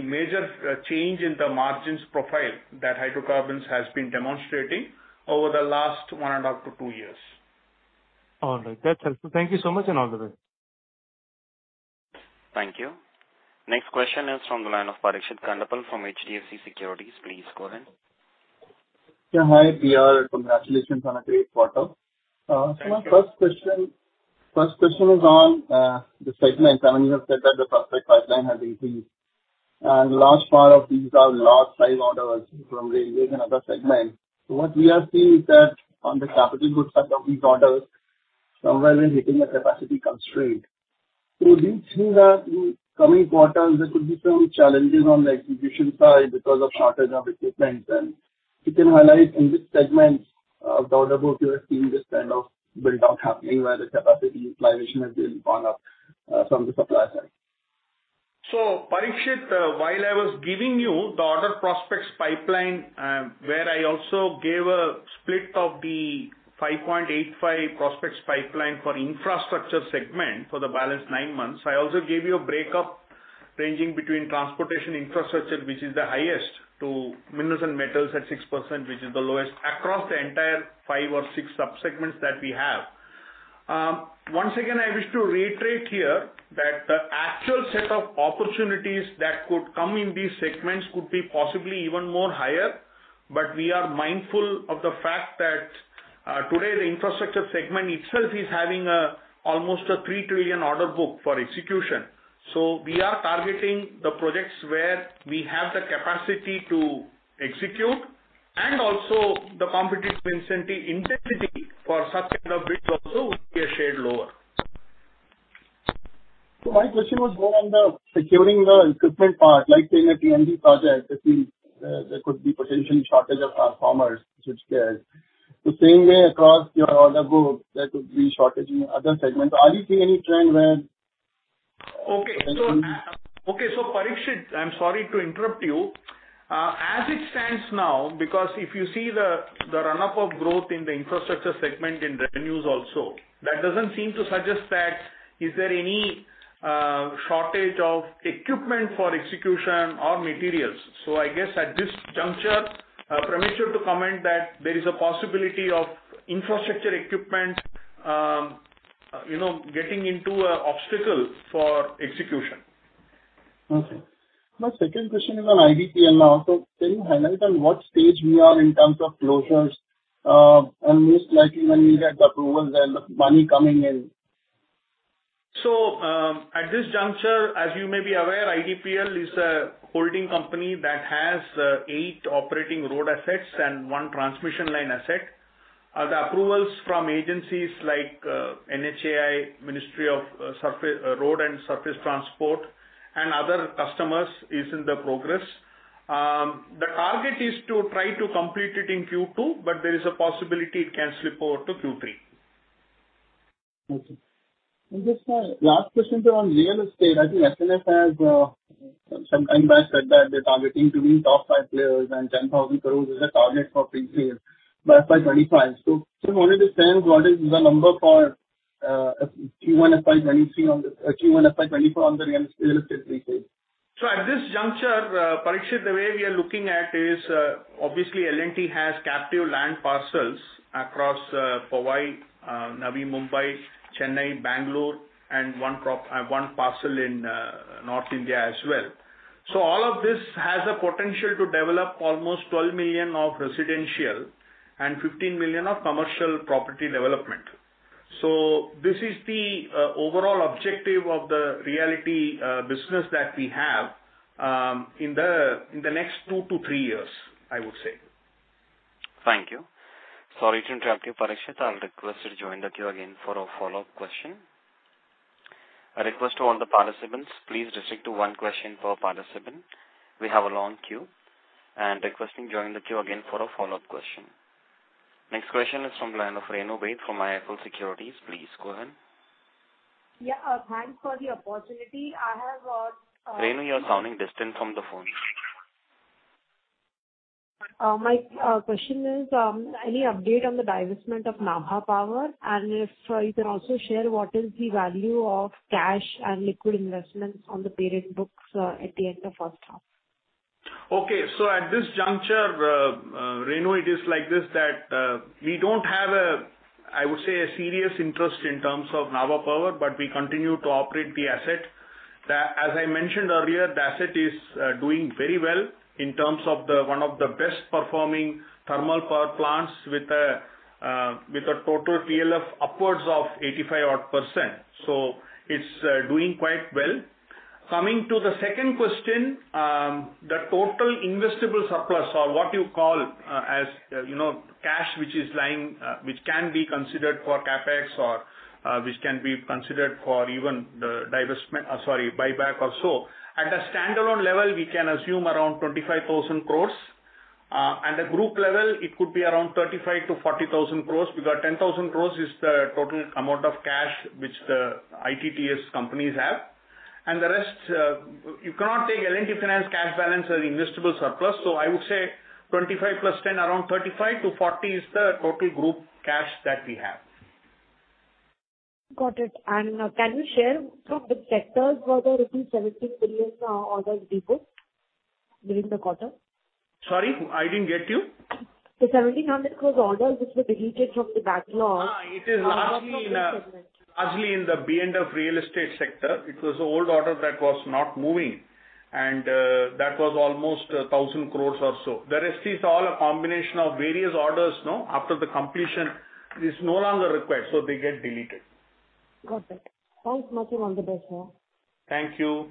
major change in the margins profile that hydrocarbons has been demonstrating over the last 1.5 to two years. All right. That's helpful. Thank you so much, and all the best. Thank you. Next question is from the line of Parikshit Kandpal from HDFC Securities. Please go ahead. Yeah, hi, P.R. Congratulations on a great quarter. My first question is on the segment. I mean, you have said that the prospect pipeline has increased, and large part of these are large size orders from railways and other segments. What we are seeing is that on the capital goods side of these orders, somewhere we're hitting a capacity constraint. Do you see that in coming quarters, there could be some challenges on the execution side because of shortage of equipment? You can highlight in which segments of the order book you are seeing this kind of build-out happening, where the capacity utilization has been gone up from the supply side. Parikshit, while I was giving you the order prospects pipeline, where I also gave a split of the 5.85% prospects pipeline for infrastructure segment for the balance nine months, I also gave you a break up ranging between transportation infrastructure, which is the highest, to minerals and metals at 6%, which is the lowest, across the entire five or six sub-segments that we have. Once again, I wish to reiterate here that the actual set of opportunities that could come in these segments could be possibly even more higher, but we are mindful of the fact that, today, the infrastructure segment itself is having almost a 3 trillion order book for execution. We are targeting the projects where we have the capacity to execute and also the competitive intensity for such kind of bids also would be a shade lower. My question was more on the securing the equipment part, like say, in a PMP project, there could be potential shortage of performers, which there. The same way across your order book, there could be shortage in other segments. Are you seeing any trend? Parikshit, I'm sorry to interrupt you. As it stands now, because if you see the run-up of growth in the infrastructure segment in revenues also, that doesn't seem to suggest that is there any shortage of equipment for execution or materials. I guess at this juncture, premature to comment that there is a possibility of infrastructure equipment, you know, getting into an obstacle for execution. Okay. My second question is on IDPL now. Can you highlight on what stage we are in terms of closures, and most likely when we get the approvals and the money coming in? At this juncture, as you may be aware, IDPL is a holding company that has eight operating road assets and one transmission line asset. The approvals from agencies like NHAI, Ministry of Road and Surface Transport, and other customers is in the progress. The target is to try to complete it in Q2, but there is a possibility it can slip over to Q3. Okay. Just my last question on real estate. I think FNS has some time back said that they're targeting to be top five players and 10,000 crores is a target for pre-sale by FY 2025. Just wanted to understand what is the number for Q1 FY 2023 on the Q1 FY 2024 on the real estate pre-sale. At this juncture, Parikshit, the way we are looking at is, obviously, L&T has captive land parcels across Powai, Navi Mumbai, Chennai, Bangalore, and one prop, one parcel in North India as well. All of this has a potential to develop almost 12 million of residential and 15 million of commercial property development. This is the overall objective of the reality business that we have in the next two to three years, I would say. Thank you. Sorry to interrupt you, Parikshit. I'll request you to join the queue again for a follow-up question. A request to all the participants, please restrict to one question per participant. We have a long queue, and requesting to join the queue again for a follow-up question. Next question is from the line of Renu Baid from IIFL Securities. Please go ahead. Yeah, thanks for the opportunity. I have. Renu, you are sounding distant from the phone. My question is, any update on the divestment of Nabha Power? If you can also share what is the value of cash and liquid investments on the parent books, at the end of first half. At this juncture, Renu, it is like this, that we don't have a, I would say, a serious interest in terms of Nabha Power, but we continue to operate the asset. As I mentioned earlier, the asset is doing very well in terms of the, one of the best performing thermal power plants with a total PLF upwards of 85% odd. It's doing quite well. Coming to the second question, the total investable surplus or what you call, as, you know, cash which is lying, which can be considered for CapEx or which can be considered for even the divestment, sorry, buyback or so. At a standalone level, we can assume around 25,000 crores. at the group level, it could be around 35,000-40,000 crores, because 10,000 crores is the total amount of cash which the ITTS companies have, and the rest, you cannot take L&T Finance cash balance as investable surplus. I would say 25,000 + 10,000 around 35,000-40,000 crores is the total group cash that we have. Got it. Can you share some of the sectors where the INR 17 billion orders deplete during the quarter? Sorry, I didn't get you. The 1,700 crores orders which were deleted from the backlog. It is largely in the BN of real estate sector. It was an old order that was not moving, and, that was almost 1,000 crores or so. The rest is all a combination of various orders, no, after the completion, it is no longer required, so they get deleted. Got it. Thanks much, have a good day, sir. Thank you.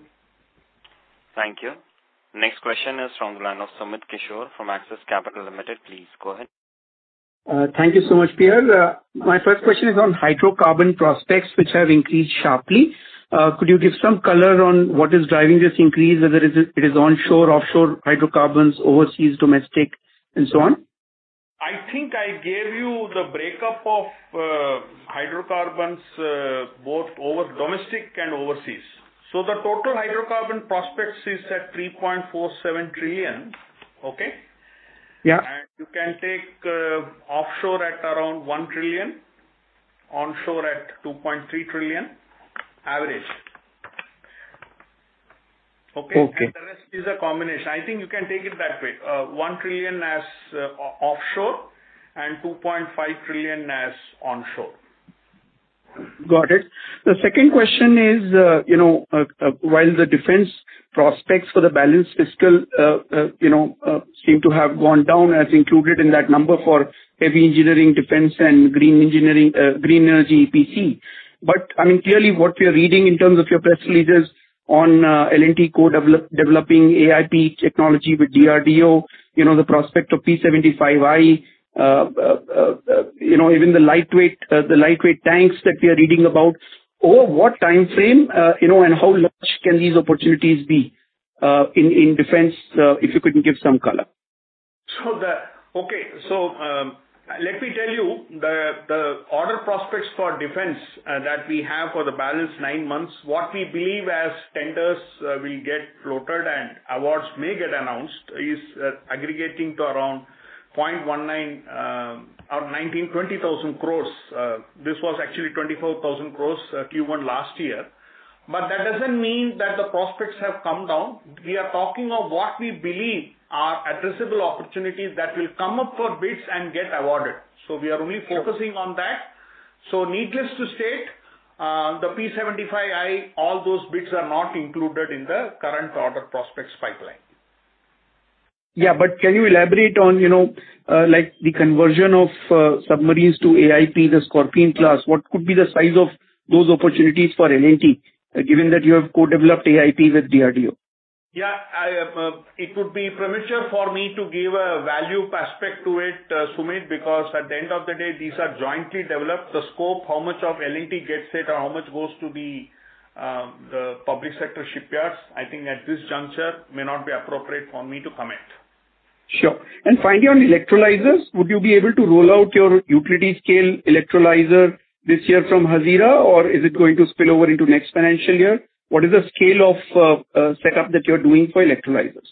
Thank you. Next question is from the line of Sumit Kishore from Axis Capital Limited. Please go ahead. Thank you so much, P.R.. My first question is on hydrocarbon prospects, which have increased sharply. Could you give some color on what is driving this increase, whether it is onshore, offshore, hydrocarbons, overseas, domestic, and so on? I think I gave you the breakup of hydrocarbons, both over domestic and overseas. The total hydrocarbon prospects is at 3.47 trillion, okay? Yeah. You can take, offshore at around 1 trillion, onshore at 2.3 trillion, average. Okay? Okay. The rest is a combination. I think you can take it that way, 1 trillion as offshore and 2.5 trillion as onshore. Got it. The second question is, you know, while the defense prospects for the balance fiscal, you know, seem to have gone down as included in that number for heavy engineering, defense and green engineering, green energy EPC. But, I mean, clearly what we are reading in terms of your press releases on, L&T developing AIP technology with DRDO, you know, the prospect of P-75I, you know, even the lightweight tanks that we are reading about, over what time frame, you know, and how much can these opportunities be, in defense, if you could give some color? Let me tell you the order prospects for defense that we have for the balance nine months, what we believe as tenders will get floated and awards may get announced, is aggregating to around 0.19, or 19,000-20,000 crores. This was actually 24,000 crores, Q1 last year. That doesn't mean that the prospects have come down. We are talking of what we believe are addressable opportunities that will come up for bids and get awarded. We are only focusing on that. Needless to state, the P-75I, all those bids are not included in the current order prospects pipeline. But can you elaborate on, you know, like the conversion of submarines to AIP, the Scorpène class, what could be the size of those opportunities for L&T, given that you have co-developed AIP with DRDO? I, it would be premature for me to give a value aspect to it, Sumit, because at the end of the day, these are jointly developed. The scope, how much of L&T gets it, or how much goes to the public sector shipyards, I think at this juncture may not be appropriate for me to comment. Sure. Finally, on electrolyzers, would you be able to roll out your utility scale electrolyzer this year from Hazira, or is it going to spill over into next financial year? What is the scale of setup that you're doing for electrolyzers?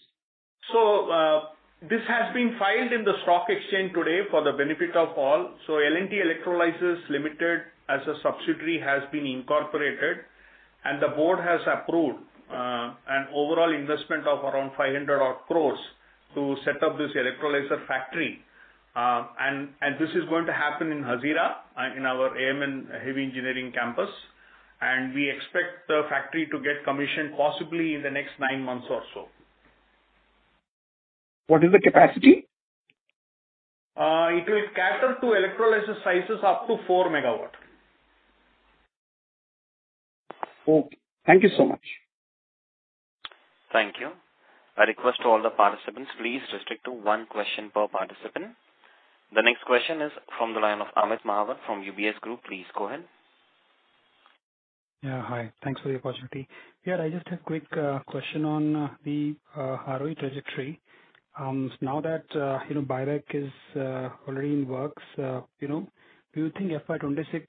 This has been filed in the stock exchange today for the benefit of all. L&T Electrolysers Limited, as a subsidiary, has been incorporated, and the board has approved an overall investment of around 500 odd crores to set up this electrolyzer factory. This is going to happen in Hazira, in our AM & Heavy Engineering campus, and we expect the factory to get commissioned possibly in the next nine months or so. What is the capacity? It will cater to electrolyzer sizes up to 4 MW. Okay, thank you so much. Thank you. I request all the participants, please restrict to one question per participant. The next question is from the line of Amit Mahawar from UBS Group. Please go ahead. Hi. Thanks for the opportunity. I just have a quick question on the ROE trajectory. Now that, you know, buyback is already in the works, you know, do you think FY 2026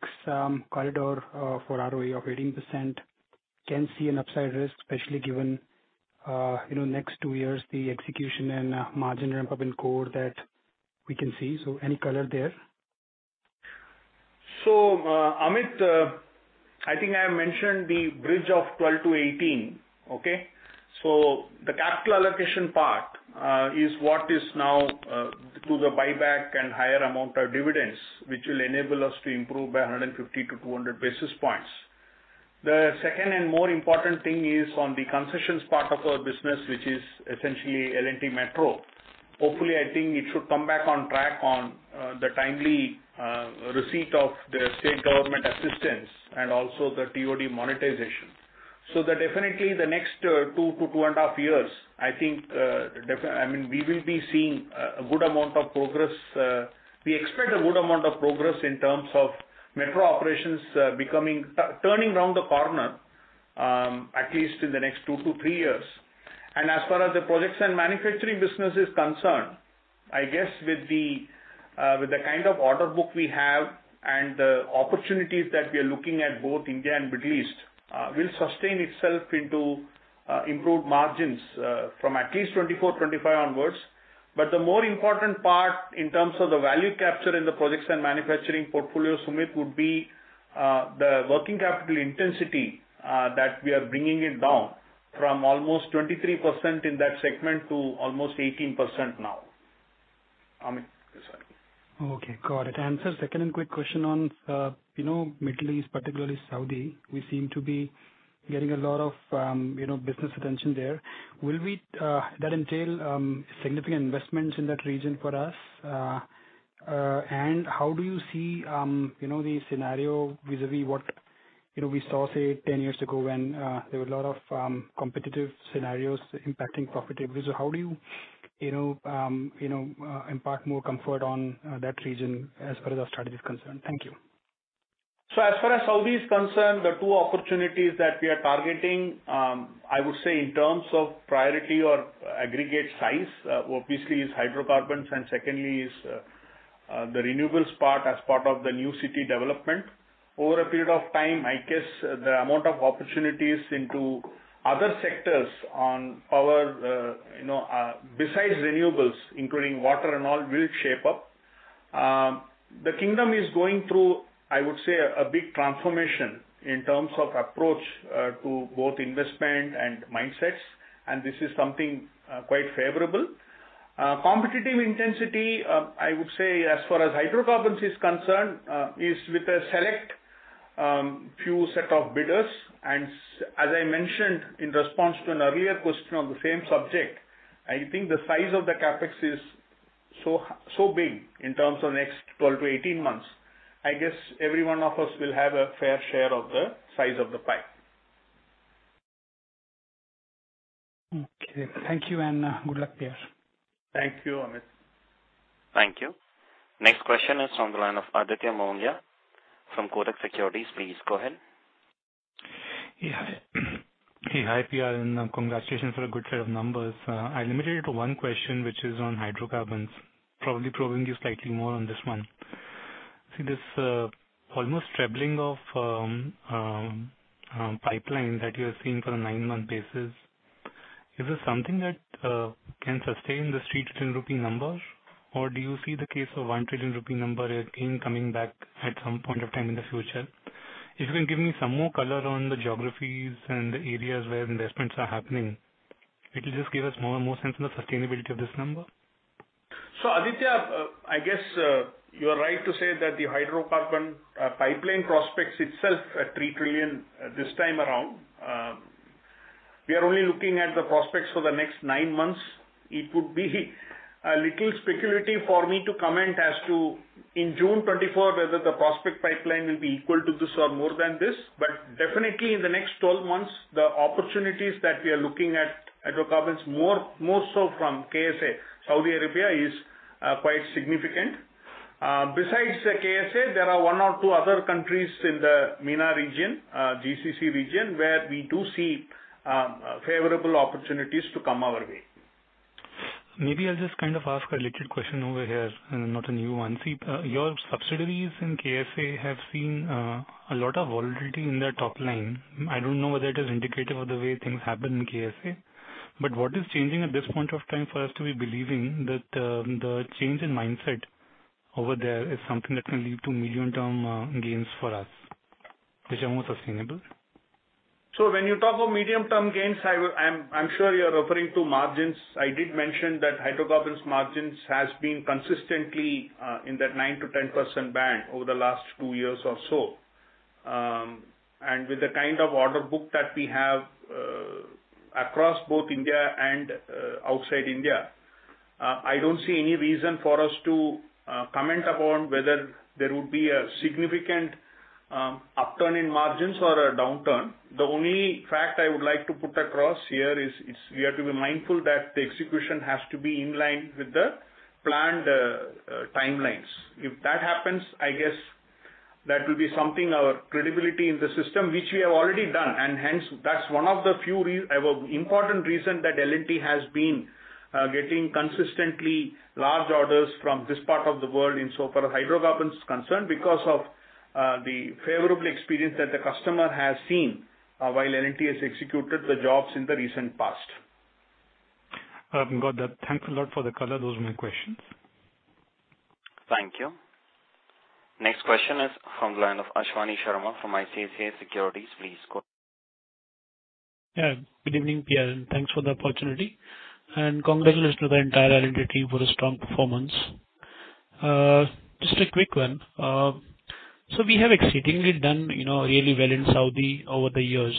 corridor for ROE of 18% can see an upside risk, especially given, you know, next two years, the execution and margin ramp-up in core that we can see? Any color there? Amit, I think I mentioned the bridge of 12% to 18%, okay? The capital allocation part is what is now through the buyback and higher amount of dividends, which will enable us to improve by 150 to 200 basis points. The second and more important thing is on the concessions part of our business, which is essentially L&T Metro. Hopefully, I think it should come back on track on the timely receipt of the state government assistance and also the TOD monetization. That definitely the next two to 2.5 years, I think, I mean, we will be seeing a good amount of progress, we expect a good amount of progress in terms of metro operations, becoming turning around the corner. At least in the next two to three years. As far as the projects and manufacturing business is concerned, I guess with the kind of order book we have and the opportunities that we are looking at, both India and Middle East, will sustain itself into improved margins from at least 2024, 2025 onwards. The more important part in terms of the value capture in the projects and manufacturing portfolio, Sumit, would be the working capital intensity that we are bringing it down from almost 23% in that segment to almost 18% now. Amit, go ahead. Okay, got it. Answer second and quick question on, you know, Middle East, particularly Saudi. We seem to be getting a lot of, you know, business attention there. Will that entail significant investments in that region for us? And how do you see, you know, the scenario vis-a-vis what, you know, we saw, say, 10 years ago, when there were a lot of competitive scenarios impacting profitability. How do you know, impart more comfort on that region as far as our strategy is concerned? Thank you. As far as Saudi is concerned, the two opportunities that we are targeting, I would say in terms of priority or aggregate size, obviously, is hydrocarbons, and secondly is the renewables part as part of the new city development. Over a period of time, I guess, the amount of opportunities into other sectors on our, you know, besides renewables, including water and all, will shape up. The kingdom is going through, I would say, a big transformation in terms of approach to both investment and mindsets. This is something quite favorable. Competitive intensity, I would say, as far as hydrocarbons is concerned, is with a select few set of bidders. As I mentioned in response to an earlier question on the same subject, I think the size of the CapEx is so big in terms of next 12 to 18 months. I guess every one of us will have a fair share of the size of the pie. Okay, thank you, and good luck, P.R. Thank you, Amit. Thank you. Next question is on the line of Aditya Mongia from Kotak Securities. Please, go ahead. Yeah. Hey, hi, P.R., congratulations for a good set of numbers. I limited it to one question, which is on hydrocarbons, probably probing you slightly more on this one. See, this almost trebling of pipeline that you have seen for a nine-month basis, is this something that can sustain the 3 trillion rupee number? Do you see the case of 1 trillion rupee number again coming back at some point of time in the future? If you can give me some more color on the geographies and the areas where investments are happening, it will just give us more and more sense of the sustainability of this number. Aditya, I guess, you are right to say that the hydrocarbon pipeline prospects itself are 3 trillion this time around. We are only looking at the prospects for the next nine months. It would be a little speculative for me to comment as to in June 2024, whether the prospect pipeline will be equal to this or more than this. Definitely in the next 12 months, the opportunities that we are looking at hydrocarbons, more so from KSA, Saudi Arabia, is quite significant. Besides KSA, there are one or two other countries in the MENA region, GCC region, where we do see favorable opportunities to come our way. Maybe I'll just kind of ask a related question over here and not a new one. See, your subsidiaries in KSA have seen, a lot of volatility in their top line. I don't know whether it is indicative of the way things happen in KSA, but what is changing at this point of time for us to be believing that, the change in mindset over there is something that can lead to medium-term gains for us, which are more sustainable? When you talk about medium-term gains, I'm sure you're referring to margins. I did mention that hydrocarbons margins has been consistently in that 9%-10% band over the last two years or so. With the kind of order book that we have across both India and outside India, I don't see any reason for us to comment upon whether there would be a significant upturn in margins or a downturn. The only fact I would like to put across here is we have to be mindful that the execution has to be in line with the planned timelines. If that happens, I guess that will be something our credibility in the system, which we have already done, and hence that's one of the few. important reason that L&T has been getting consistently large orders from this part of the world in so far as hydrocarbons is concerned, because of the favorable experience that the customer has seen while L&T has executed the jobs in the recent past. I've got that. Thanks a lot for the color. Those were my questions. Thank you. Next question is from the line of Ashwani Sharma from ICICI Securities. Please. Good evening, P.R., and thanks for the opportunity. Congratulations to the entire L&T team for a strong performance. Just a quick one. We have exceedingly done, you know, really well in Saudi over the years.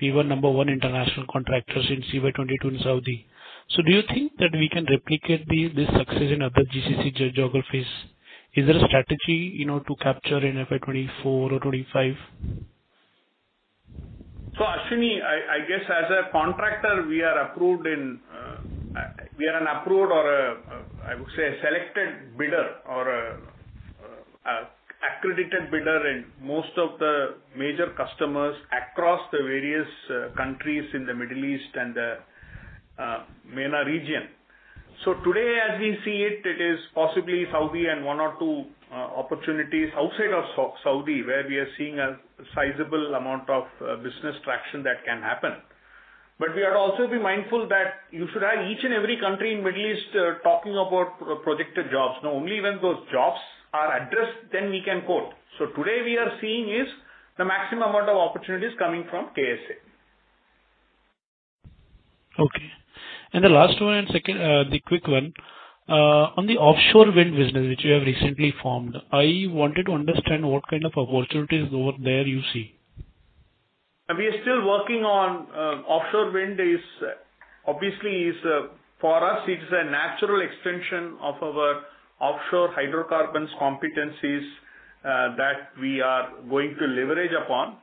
We were number one international contractors in CY 2022 in Saudi. Do you think that we can replicate the, this success in other GCC geo- geographies? Is there a strategy, you know, to capture in FY 2024 or 2025? Ashwani, I guess as a contractor, we are approved. We are an approved or, I would say, a selected bidder or an accredited bidder in most of the major customers across the various countries in the Middle East and the MENA region. Today, as we see it is possibly Saudi and one or two opportunities outside of Saudi, where we are seeing a sizable amount of business traction that can happen. We are also be mindful that you should have each and every country in Middle East talking about projected jobs. Only when those jobs are addressed, then we can quote. Today we are seeing is the maximum amount of opportunities coming from KSA. Okay. The last one and second, the quick one. On the offshore wind business, which you have recently formed, I wanted to understand what kind of opportunities over there you see? We are still working on offshore wind is obviously for us, it is a natural extension of our offshore hydrocarbons competencies that we are going to leverage upon.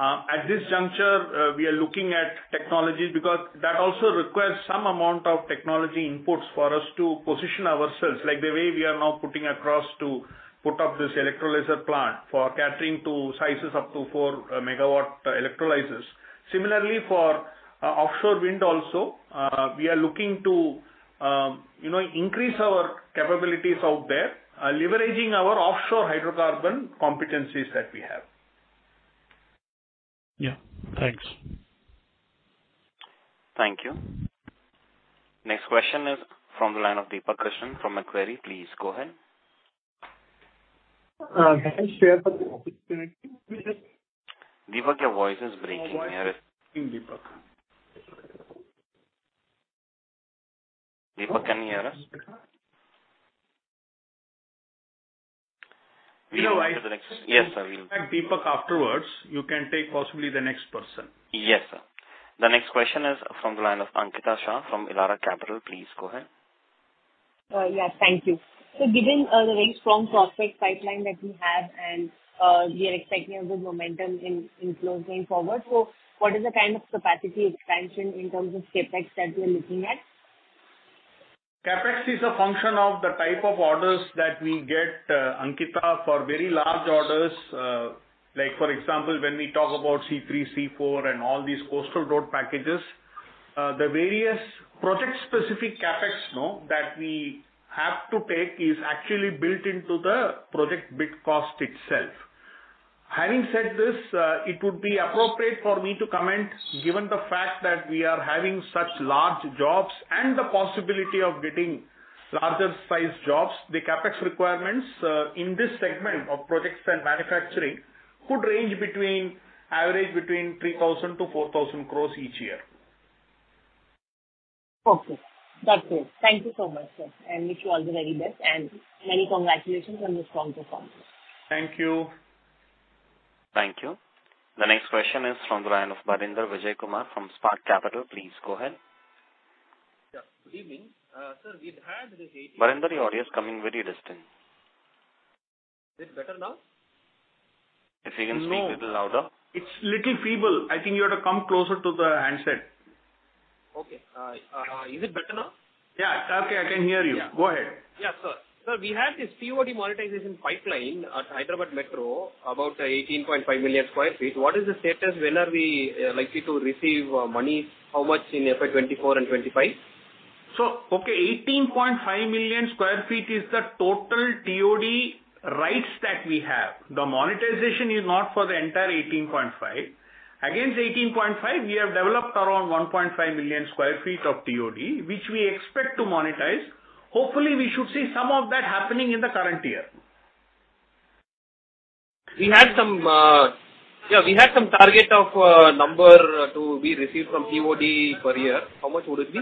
At this juncture, we are looking at technology because that also requires some amount of technology inputs for us to position ourselves, like the way we are now putting across to put up this electrolyzer plant for catering to sizes up to 4 MW electrolyzers. Similarly, for offshore wind also, we are looking to, you know, increase our capabilities out there, leveraging our offshore hydrocarbon competencies that we have. Yeah, thanks. Thank you. Next question is from the line of Deepak Krishnan from Macquarie. Please, go ahead. Can you share for the opportunity, please? Deepak, your voice is breaking. Can you hear us? Deepak, can you hear us? We have- Yes, sir. Deepak, afterwards, you can take possibly the next person. Yes, sir. The next question is from the line of Ankita Shah from Elara Capital. Please, go ahead. Yes, thank you. Given, the very strong prospect pipeline that we have and, we are expecting a good momentum in flow going forward, so what is the kind of capacity expansion in terms of CapEx that we are looking at? CapEx is a function of the type of orders that we get, Ankita, for very large orders. Like, for example, when we talk about C-3, C-4, and all these coastal road packages, the various project-specific CapEx, you know, that we have to take is actually built into the project bid cost itself. Having said this, it would be appropriate for me to comment, given the fact that we are having such large jobs and the possibility of getting larger size jobs, the CapEx requirements, in this segment of projects and manufacturing could range between, average between 3,000-4,000 crores each year. Okay. That's it. Thank you so much, sir, and wish you all the very best, and many congratulations on this strong performance. Thank you. Thank you. The next question is from the line of Bharanidhar Vijayakumar from Spark Capital. Please, go ahead. Yeah, good evening. sir, we've had this. Barinder, your audio is coming very distant. Is it better now? If you can speak little louder. It's little feeble. I think you have to come closer to the handset. Okay. Is it better now? Yeah. Okay, I can hear you. Yeah. Go ahead. Yeah, sir. Sir, we had this TOD monetization pipeline at Hyderabad Metro, about 18.5 million sq ft. What is the status? When are we likely to receive money? How much in and FY 2025? Okay, 18.5 million sq ft is the total TOD rights that we have. The monetization is not for the entire 18.5 million s sq ft. Against 18.5 million sq ft., we have developed around 1.5 million sq ft of TOD, which we expect to monetize. Hopefully, we should see some of that happening in the current year. We had some, yeah, we had some target of, number to be received from TOD per year. How much would it be?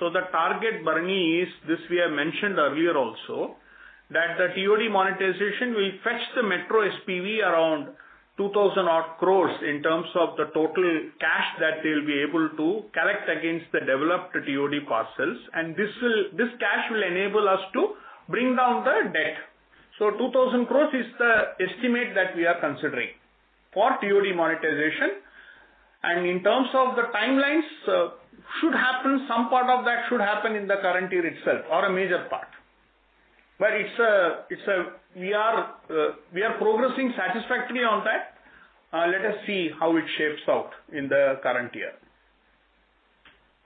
The target, Barinder, is, this we have mentioned earlier also, that the TOD monetization will fetch the metro SPV around 2,000 odd crores in terms of the total cash that they'll be able to collect against the developed TOD parcels, and this cash will enable us to bring down the debt. 2,000 crores is the estimate that we are considering for TOD monetization. In terms of the timelines, should happen, some part of that should happen in the current year itself or a major part. It's a, we are progressing satisfactorily on that. Let us see how it shapes out in the current year.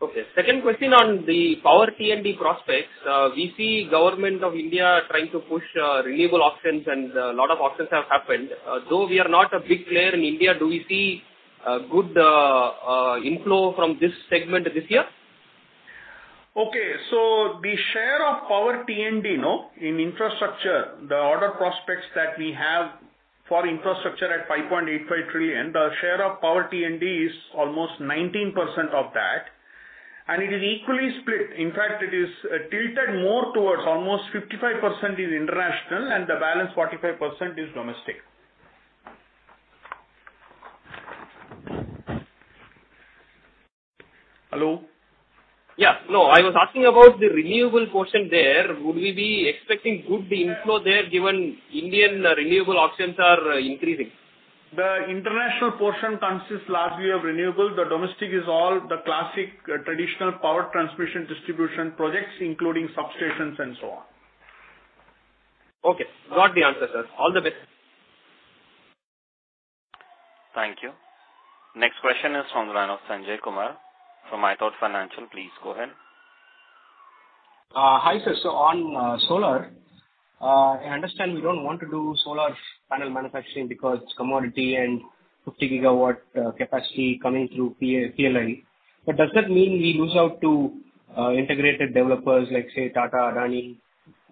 Okay. Second question on the power T&D prospects. We see Government of India trying to push renewable auctions, and a lot of auctions have happened. Though we are not a big player in India, do we see good inflow from this segment this year? Okay, the share of power T&D, you know, in infrastructure, the order prospects that we have for infrastructure at 5.85 trillion, the share of power T&D is almost 19% of that, and it is equally split. In fact, it is tilted more towards almost 55% is international, and the balance 45% is domestic. Hello? Yeah. No, I was asking about the renewable portion there. Would we be expecting good inflow there, given Indian renewable auctions are increasing? The international portion consists largely of renewables. The domestic is all the classic traditional power transmission distribution projects, including substations and so on. Okay, got the answer, sir. All the best. Thank you. Next question is from the line of Sanjay Kumar from ithought Financial. Please go ahead. Hi, sir. On solar, I understand we don't want to do solar panel manufacturing because commodity and 50 GW capacity coming through PLI. Does that mean we lose out to integrated developers like, say, Tata, Adani?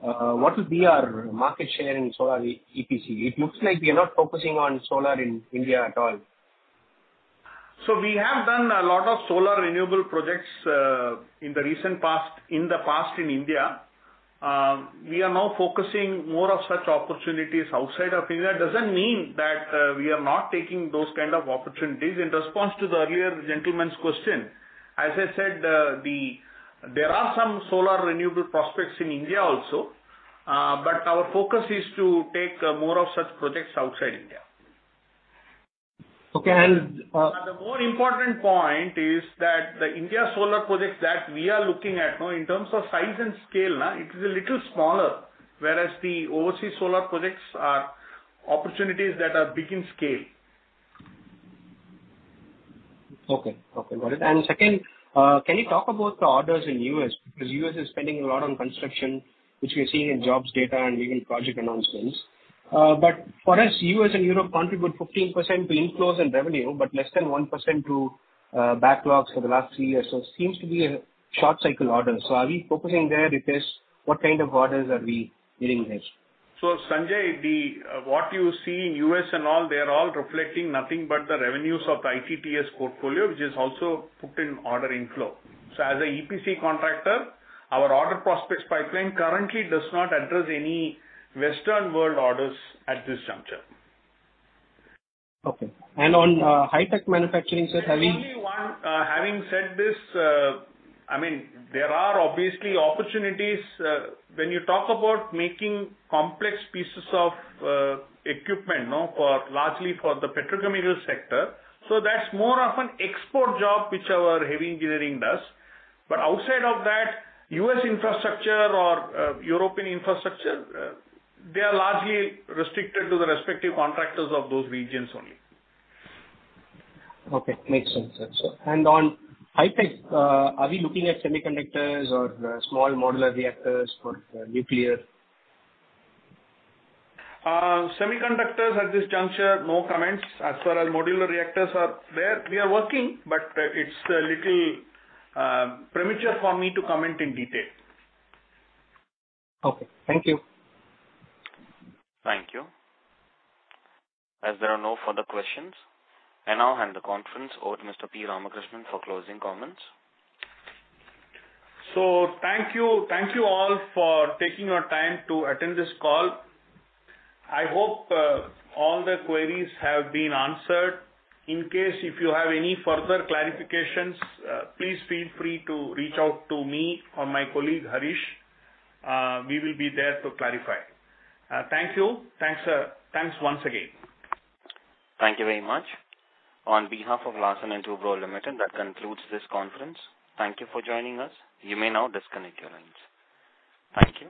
What will be our market share in solar EPC? It looks like we are not focusing on solar in India at all. We have done a lot of solar renewable projects in the recent past, in the past in India. We are now focusing more of such opportunities outside of India. Doesn't mean that we are not taking those kind of opportunities. In response to the earlier gentleman's question, as I said, there are some solar renewable prospects in India also, but our focus is to take more of such projects outside India. Okay. The more important point is that the India solar projects that we are looking at, in terms of size and scale, it is a little smaller, whereas the overseas solar projects are opportunities that are big in scale. Okay. Okay, got it. Second, can you talk about the orders in U.S.? Because U.S. is spending a lot on construction, which we are seeing in jobs data and even project announcements. For us, U.S. and Europe contribute 15% to inflows and revenue, but less than 1% to backlogs for the last three years. It seems to be a short cycle order. Are we focusing there? If yes, what kind of orders are we getting there? Sanjay, the, what you see in U.S. and all, they are all reflecting nothing but the revenues of the ITTS portfolio, which is also put in order inflow. As a EPC contractor, our order prospects pipeline currently does not address any Western world orders at this juncture. Okay. on, high-tech manufacturing, sir. Only one, having said this, I mean, there are obviously opportunities when you talk about making complex pieces of equipment for largely for the petrochemical sector. That's more of an export job, which our Heavy Engineering does. Outside of that, U.S. infrastructure or European infrastructure, they are largely restricted to the respective contractors of those regions only. Okay, makes sense, sir. On high-tech, are we looking at semiconductors or small modular reactors for nuclear? Semiconductors at this juncture, no comments. As far as modular reactors are there, we are working, but it's a little premature for me to comment in detail. Okay. Thank you. Thank you. As there are no further questions, I now hand the conference over to Mr. P. Ramakrishnan for closing comments. Thank you, thank you all for taking your time to attend this call. I hope all the queries have been answered. In case if you have any further clarifications, please feel free to reach out to me or my colleague, Harish. We will be there to clarify. Thank you. Thanks once again. Thank you very much. On behalf of Larsen & Toubro Limited, that concludes this conference. Thank you for joining us. You may now disconnect your lines. Thank you.